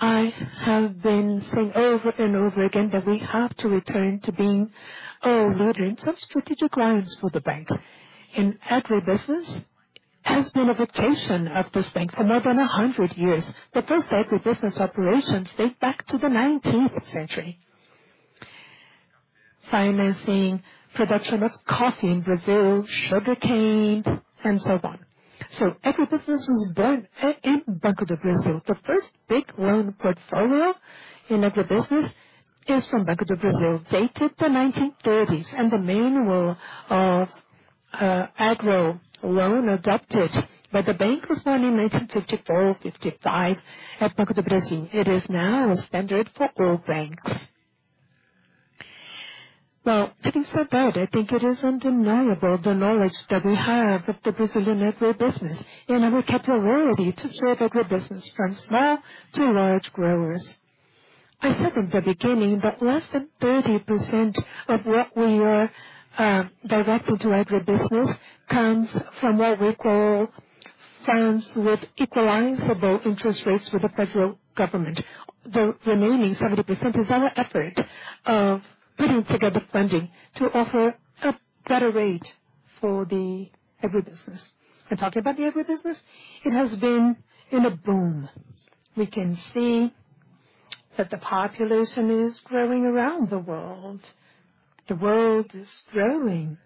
I have been saying over and over again that we have to return to being a leader in some strategic lines for the bank. Agribusiness has been a vocation of this bank for more than 100 years. The first agribusiness operations date back to the nineteenth century. Financing production of coffee in Brazil, sugarcane and so on. Agribusiness was born in Banco do Brasil. The first big loan portfolio in agribusiness is from Banco do Brasil, dated the 1930s. The manual of agro loan adopted by the bank was born in 1954, 1955 at Banco do Brasil. It is now a standard for all banks. Well, having said that, I think it is undeniable the knowledge that we have of the Brazilian agribusiness and our capability to serve agribusiness from small to large growers. I said in the beginning that less than 30% of what we are directing to agribusiness comes from what we call firms with equalizable interest rates with the federal government. The remaining 70% is our effort of putting together funding to offer a better rate for the agribusiness. Talking about the agribusiness, it has been in a boom. We can see that the population is growing around the world. The world is growing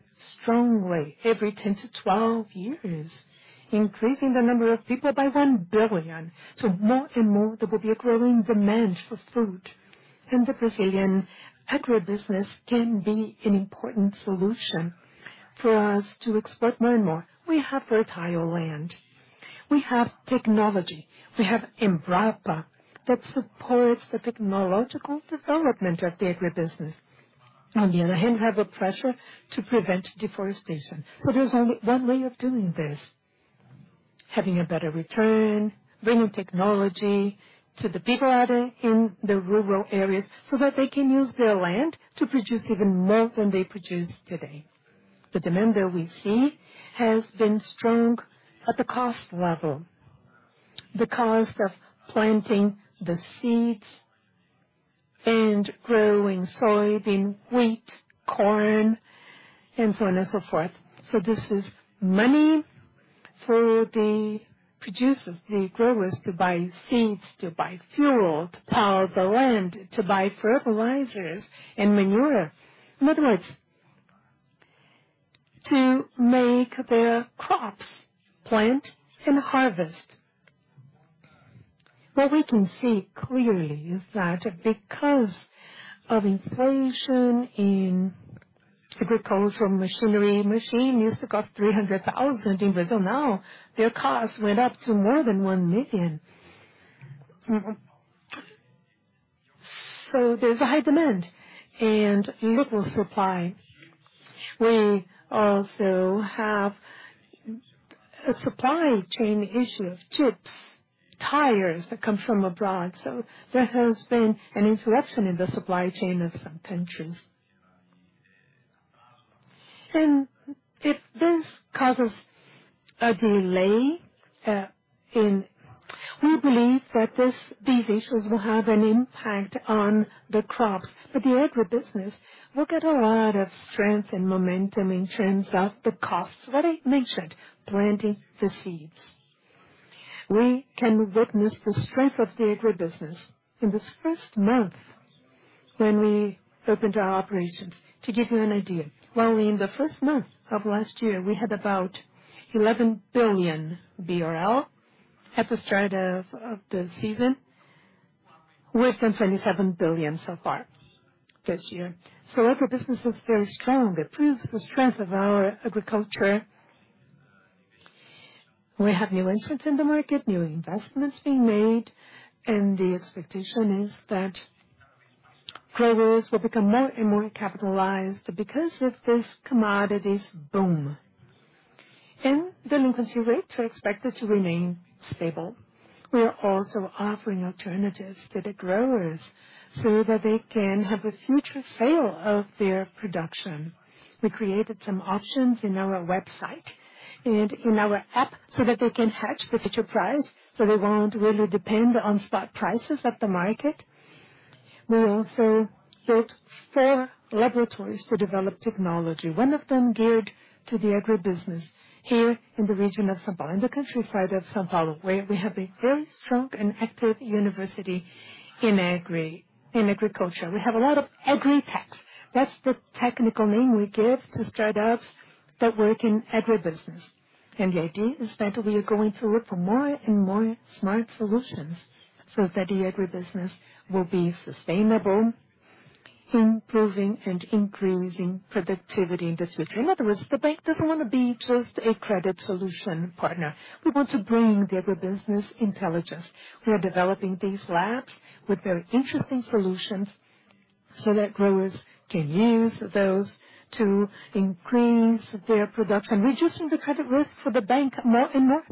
strongly every 10-12 years, increasing the number of people by 1 billion. More and more there will be a growing demand for food. The Brazilian agribusiness can be an important solution for us to export more and more. We have fertile land. We have technology, we have Embrapa that supports the technological development of the agribusiness. On the other hand, we have a pressure to prevent deforestation. There's only one way of doing this, having a better return, bringing technology to the people out in the rural areas so that they can use their land to produce even more than they produce today. The demand there we see has been strong at the cost level. The cost of planting the seeds and growing soybean, wheat, corn, and so on and so forth. This is money for the producers, the growers to buy seeds, to buy fuel, to plow the land, to buy fertilizers and manure. In other words, to make their crops plant and harvest. What we can see clearly is that because of inflation in agricultural machinery, machine used to cost 300,000 in Brazil. Now their cost went up to more than 1 million. There's a high demand and little supply. We also have a supply chain issue of chips, tires that come from abroad. There has been an interruption in the supply chain of some countries. If this causes a delay, we believe that these issues will have an impact on the crops. The agribusiness will get a lot of strength and momentum in terms of the costs that I mentioned, planting the seeds. We can witness the strength of the agribusiness in this first month when we opened our operations. To give you an idea. While in the first month of last year we had about 11 billion BRL at the start of the season, we're at 27 billion so far this year. Agribusiness is very strong. It proves the strength of our agriculture. We have new entrants in the market, new investments being made, and the expectation is that growers will become more and more capitalized because of this commodities boom. The delinquency rate are expected to remain stable. We are also offering alternatives to the growers so that they can have a future sale of their production. We created some options in our website and in our app so that they can hedge the future price, so they won't really depend on spot prices of the market. We also built four laboratories to develop technology, one of them geared to the agribusiness here in the region of São Paulo, in the countryside of São Paulo, where we have a very strong and active university in agriculture. We have a lot of agri-techs. That's the technical name we give to startups that work in agribusiness. The idea is that we are going to look for more and more smart solutions so that the agribusiness will be sustainable, improving and increasing productivity in this region. In other words, the bank doesn't wanna be just a credit solution partner. We want to bring the agribusiness intelligence. We are developing these labs with very interesting solutions so that growers can use those to increase their production, reducing the credit risk for the bank more and more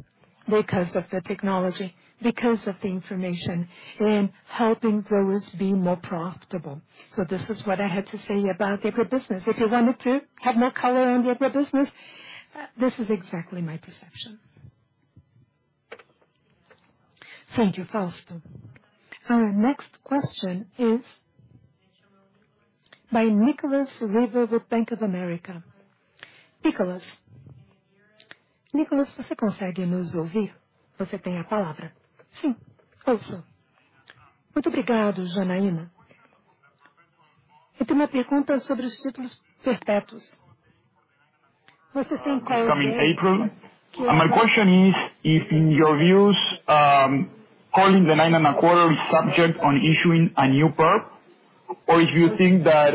because of the technology, because of the information and helping growers be more profitable. This is what I had to say about agribusiness. If you wanted to have more color on the agribusiness, this is exactly my perception. Thank you, Fausto. Our next question is by Nicolas Riva with Bank of America. Nicholas. Nicolas, can you hear us? You have the floor. Yes, I can hear you. Thank you very much, Janaína. I have a question about the perpetual bonds. Do you have any Coming April. My question is, if in your views, calling the 9.25% is subject to issuing a new perp? Or if you think that,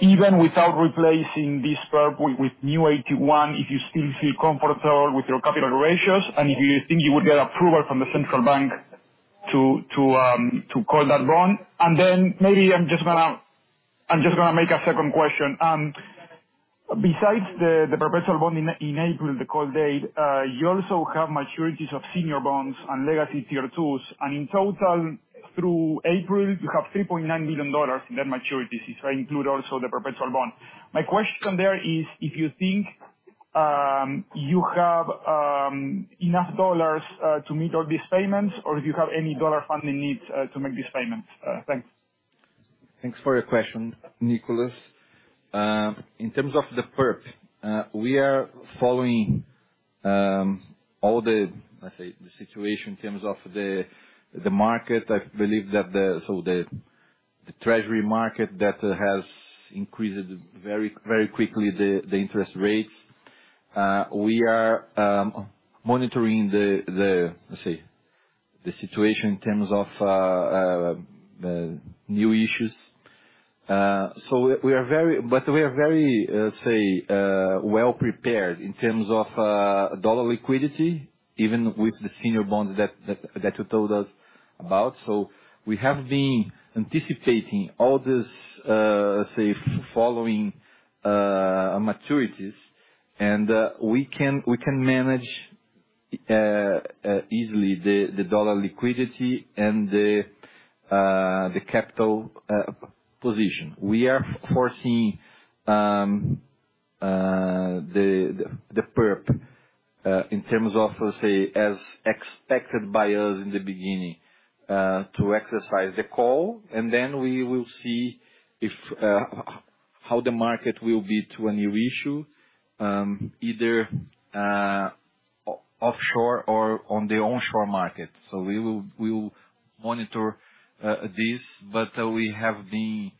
even without replacing this perp with new AT1, if you still feel comfortable with your capital ratios, and if you think you would get approval from the central bank to call that bond. Then maybe I'm just gonna make a second question. Besides the perpetual bond in April, the call date, you also have maturities of senior bonds and legacy tier twos. In total, through April, you have $3.9 billion in the maturities, if I include also the perpetual bond. My question there is if you think you have enough dollars to meet all these payments or if you have any dollar funding needs to make these payments? Thanks. Thanks for your question, Nicolas. In terms of the perp, we are following, let's say, the situation in terms of the market. I believe that the treasury market debt has increased very quickly the interest rates. We are monitoring, let's say, the situation in terms of new issues. We are very well prepared in terms of dollar liquidity, even with the senior bonds that you told us about. We have been anticipating all this following maturities and we can manage easily the dollar liquidity and the capital position. We foresee the perp in terms of, let's say, as expected by us in the beginning, to exercise the call and then we will see how the market will be to a new issue, either offshore or on the onshore market. We will monitor this, but we have been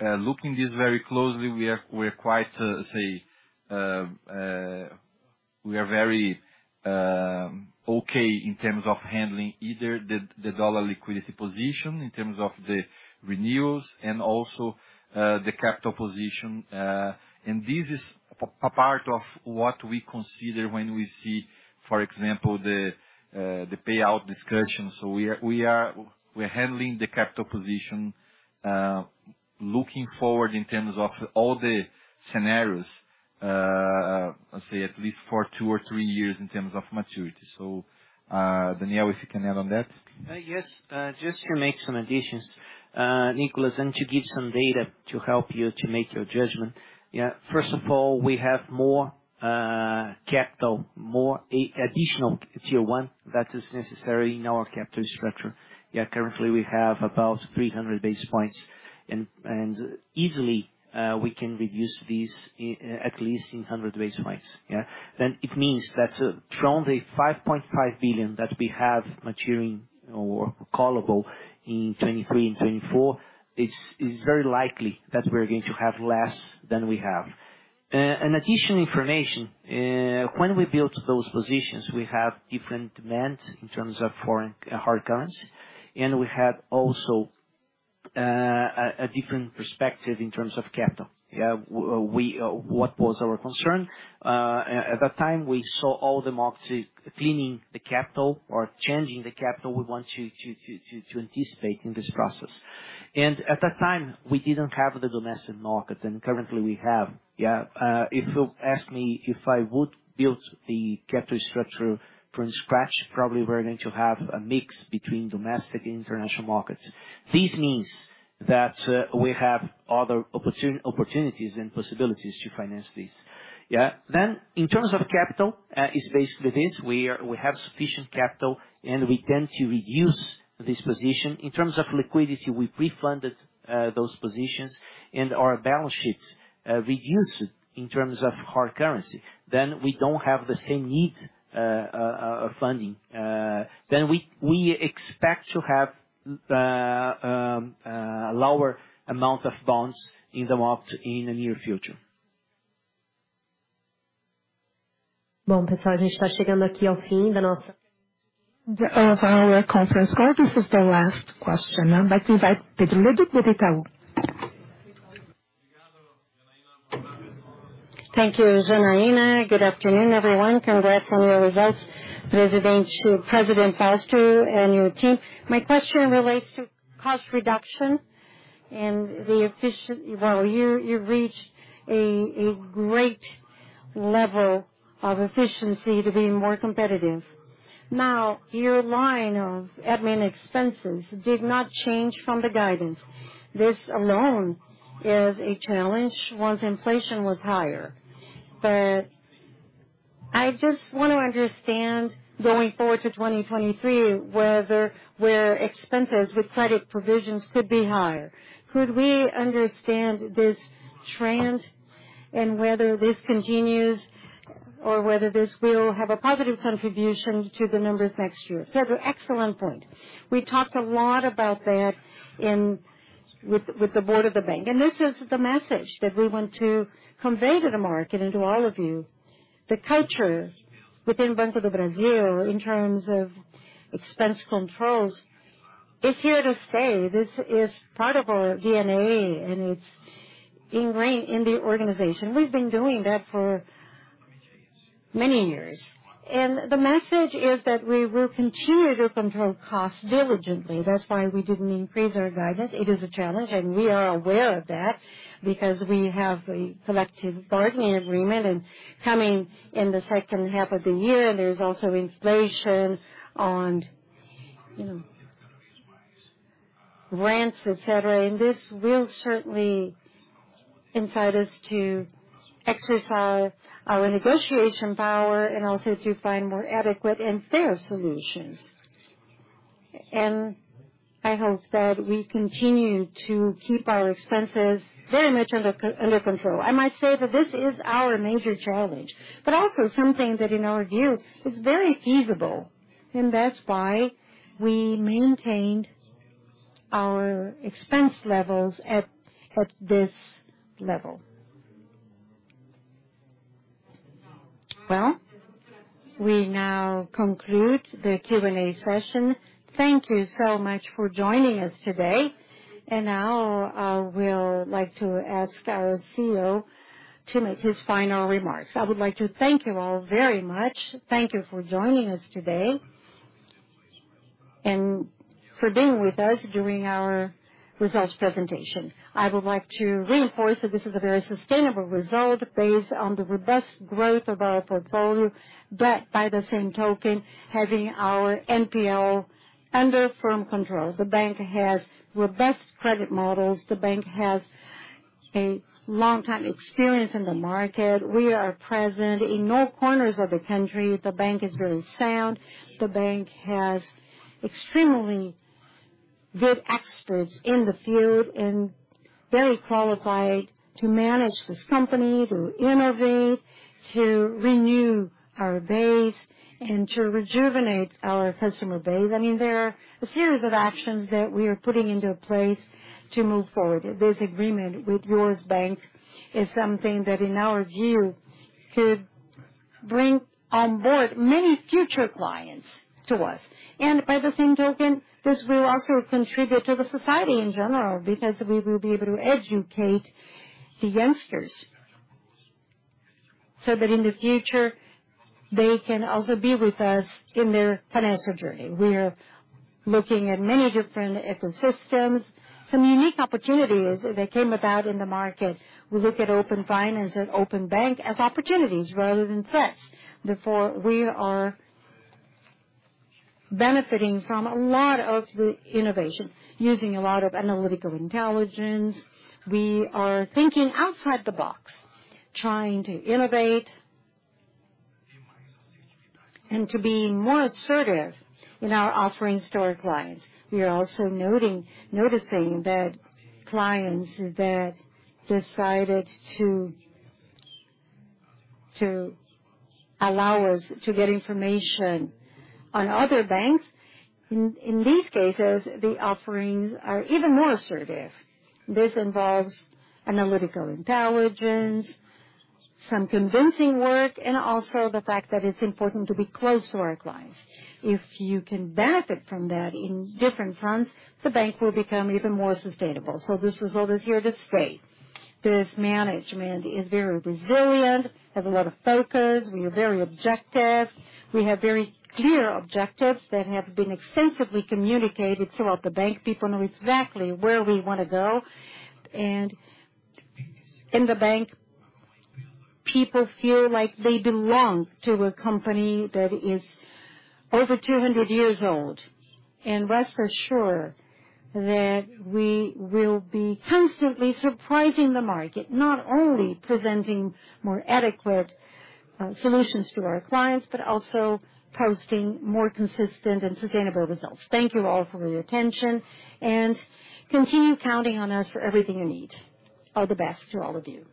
looking this very closely. We are quite, say, very okay in terms of handling either the dollar liquidity position in terms of the renewals and also the capital position. This is part of what we consider when we see, for example, the payout discussion. We're handling the capital position, looking forward in terms of all the scenarios, let's say at least for two or three years in terms of maturity. Daniel, if you can add on that. Yes. Just to make some additions, Nicolas, and to give some data to help you make your judgment. First of all, we have more capital, more additional tier one that is necessary in our capital structure. Currently, we have about 300 basis points and easily we can reduce these at least in 100 basis points. Then it means that from the $5.5 billion that we have maturing or callable in 2023 and 2024, it's very likely that we're going to have less than we have. An additional information, when we built those positions, we have different demands in terms of foreign hard currency, and we have also a different perspective in terms of capital. What was our concern? At that time, we saw all the markets cleaning the capital or changing the capital. We want to anticipate in this process. At that time, we didn't have the domestic market, and currently we have. If you ask me if I would build the capital structure from scratch, probably we're going to have a mix between domestic and international markets. This means that we have other opportunities and possibilities to finance this. In terms of capital, it's basically this. We have sufficient capital, and we tend to reduce this position. In terms of liquidity, we pre-funded those positions and our balance sheets reduced in terms of hard currency, then we don't have the same need of funding. We expect to have lower amount of bonds in the market in the near future. Of our conference call, this is the last question. Thank you, Janaína. Good afternoon, everyone. Congrats on your results, President Fausto and your team. My question relates to cost reduction and the efficiency. Well, you reached a great level of efficiency to be more competitive. Now, your line of admin expenses did not change from the guidance. This alone is a challenge once inflation was higher. But I just want to understand, going forward to 2023, whether expenses with credit provisions could be higher. Could we understand this trend and whether this continues or this will have a positive contribution to the numbers next year? It's such an excellent point. We talked a lot about that with the board of the bank, and this is the message that we want to convey to the market and to all of you. The culture within Banco do Brasil in terms of expense controls is here to stay. This is part of our DNA, and it's ingrained in the organization. We've been doing that for many years. The message is that we will continue to control costs diligently. That's why we didn't increase our guidance. It is a challenge, and we are aware of that because we have a collective bargaining agreement. Coming in the second half of the year, there's also inflation on, you know, rents, et cetera. This will certainly incite us to exercise our negotiation power and also to find more adequate and fair solutions. I hope that we continue to keep our expenses very much under control. I might say that this is our major challenge, but also something that, in our view, is very feasible, and that's why we maintained our expense levels at this level. Well, we now conclude the Q&A session. Thank you so much for joining us today. Now, I will like to ask our CEO to make his final remarks. I would like to thank you all very much. Thank you for joining us today and for being with us during our results presentation. I would like to reinforce that this is a very sustainable result based on the robust growth of our portfolio. By the same token, having our NPL under firm control. The bank has robust credit models. The bank has a long time experience in the market. We are present in all corners of the country. The bank is very sound. The bank has extremely good experts in the field and very qualified to manage this company, to innovate, to renew our base, and to rejuvenate our customer base. I mean, there are a series of actions that we are putting into place to move forward. This agreement with Yours Bank is something that, in our view, could bring on board many future clients to us. By the same token, this will also contribute to the society in general, because we will be able to educate the youngsters so that in the future, they can also be with us in their financial journey. We are looking at many different ecosystems, some unique opportunities that came about in the market. We look at Open Finance and Open Banking as opportunities rather than threats. Therefore, we are benefiting from a lot of the innovation using a lot of analytical intelligence. We are thinking outside the box, trying to innovate and to be more assertive in our offerings to our clients. We are also noting that clients that decided to allow us to get information on other banks. In these cases, the offerings are even more assertive. This involves analytical intelligence, some convincing work, and also the fact that it's important to be close to our clients. If you can benefit from that in different fronts, the bank will become even more sustainable. This result is here to stay. This management is very resilient, have a lot of focus. We are very objective. We have very clear objectives that have been extensively communicated throughout the bank. People know exactly where we wanna go. In the bank, people feel like they belong to a company that is over 200 years old. Rest assured that we will be constantly surprising the market, not only presenting more adequate solutions to our clients, but also posting more consistent and sustainable results. Thank you all for your attention, and continue counting on us for everything you need. All the best to all of you.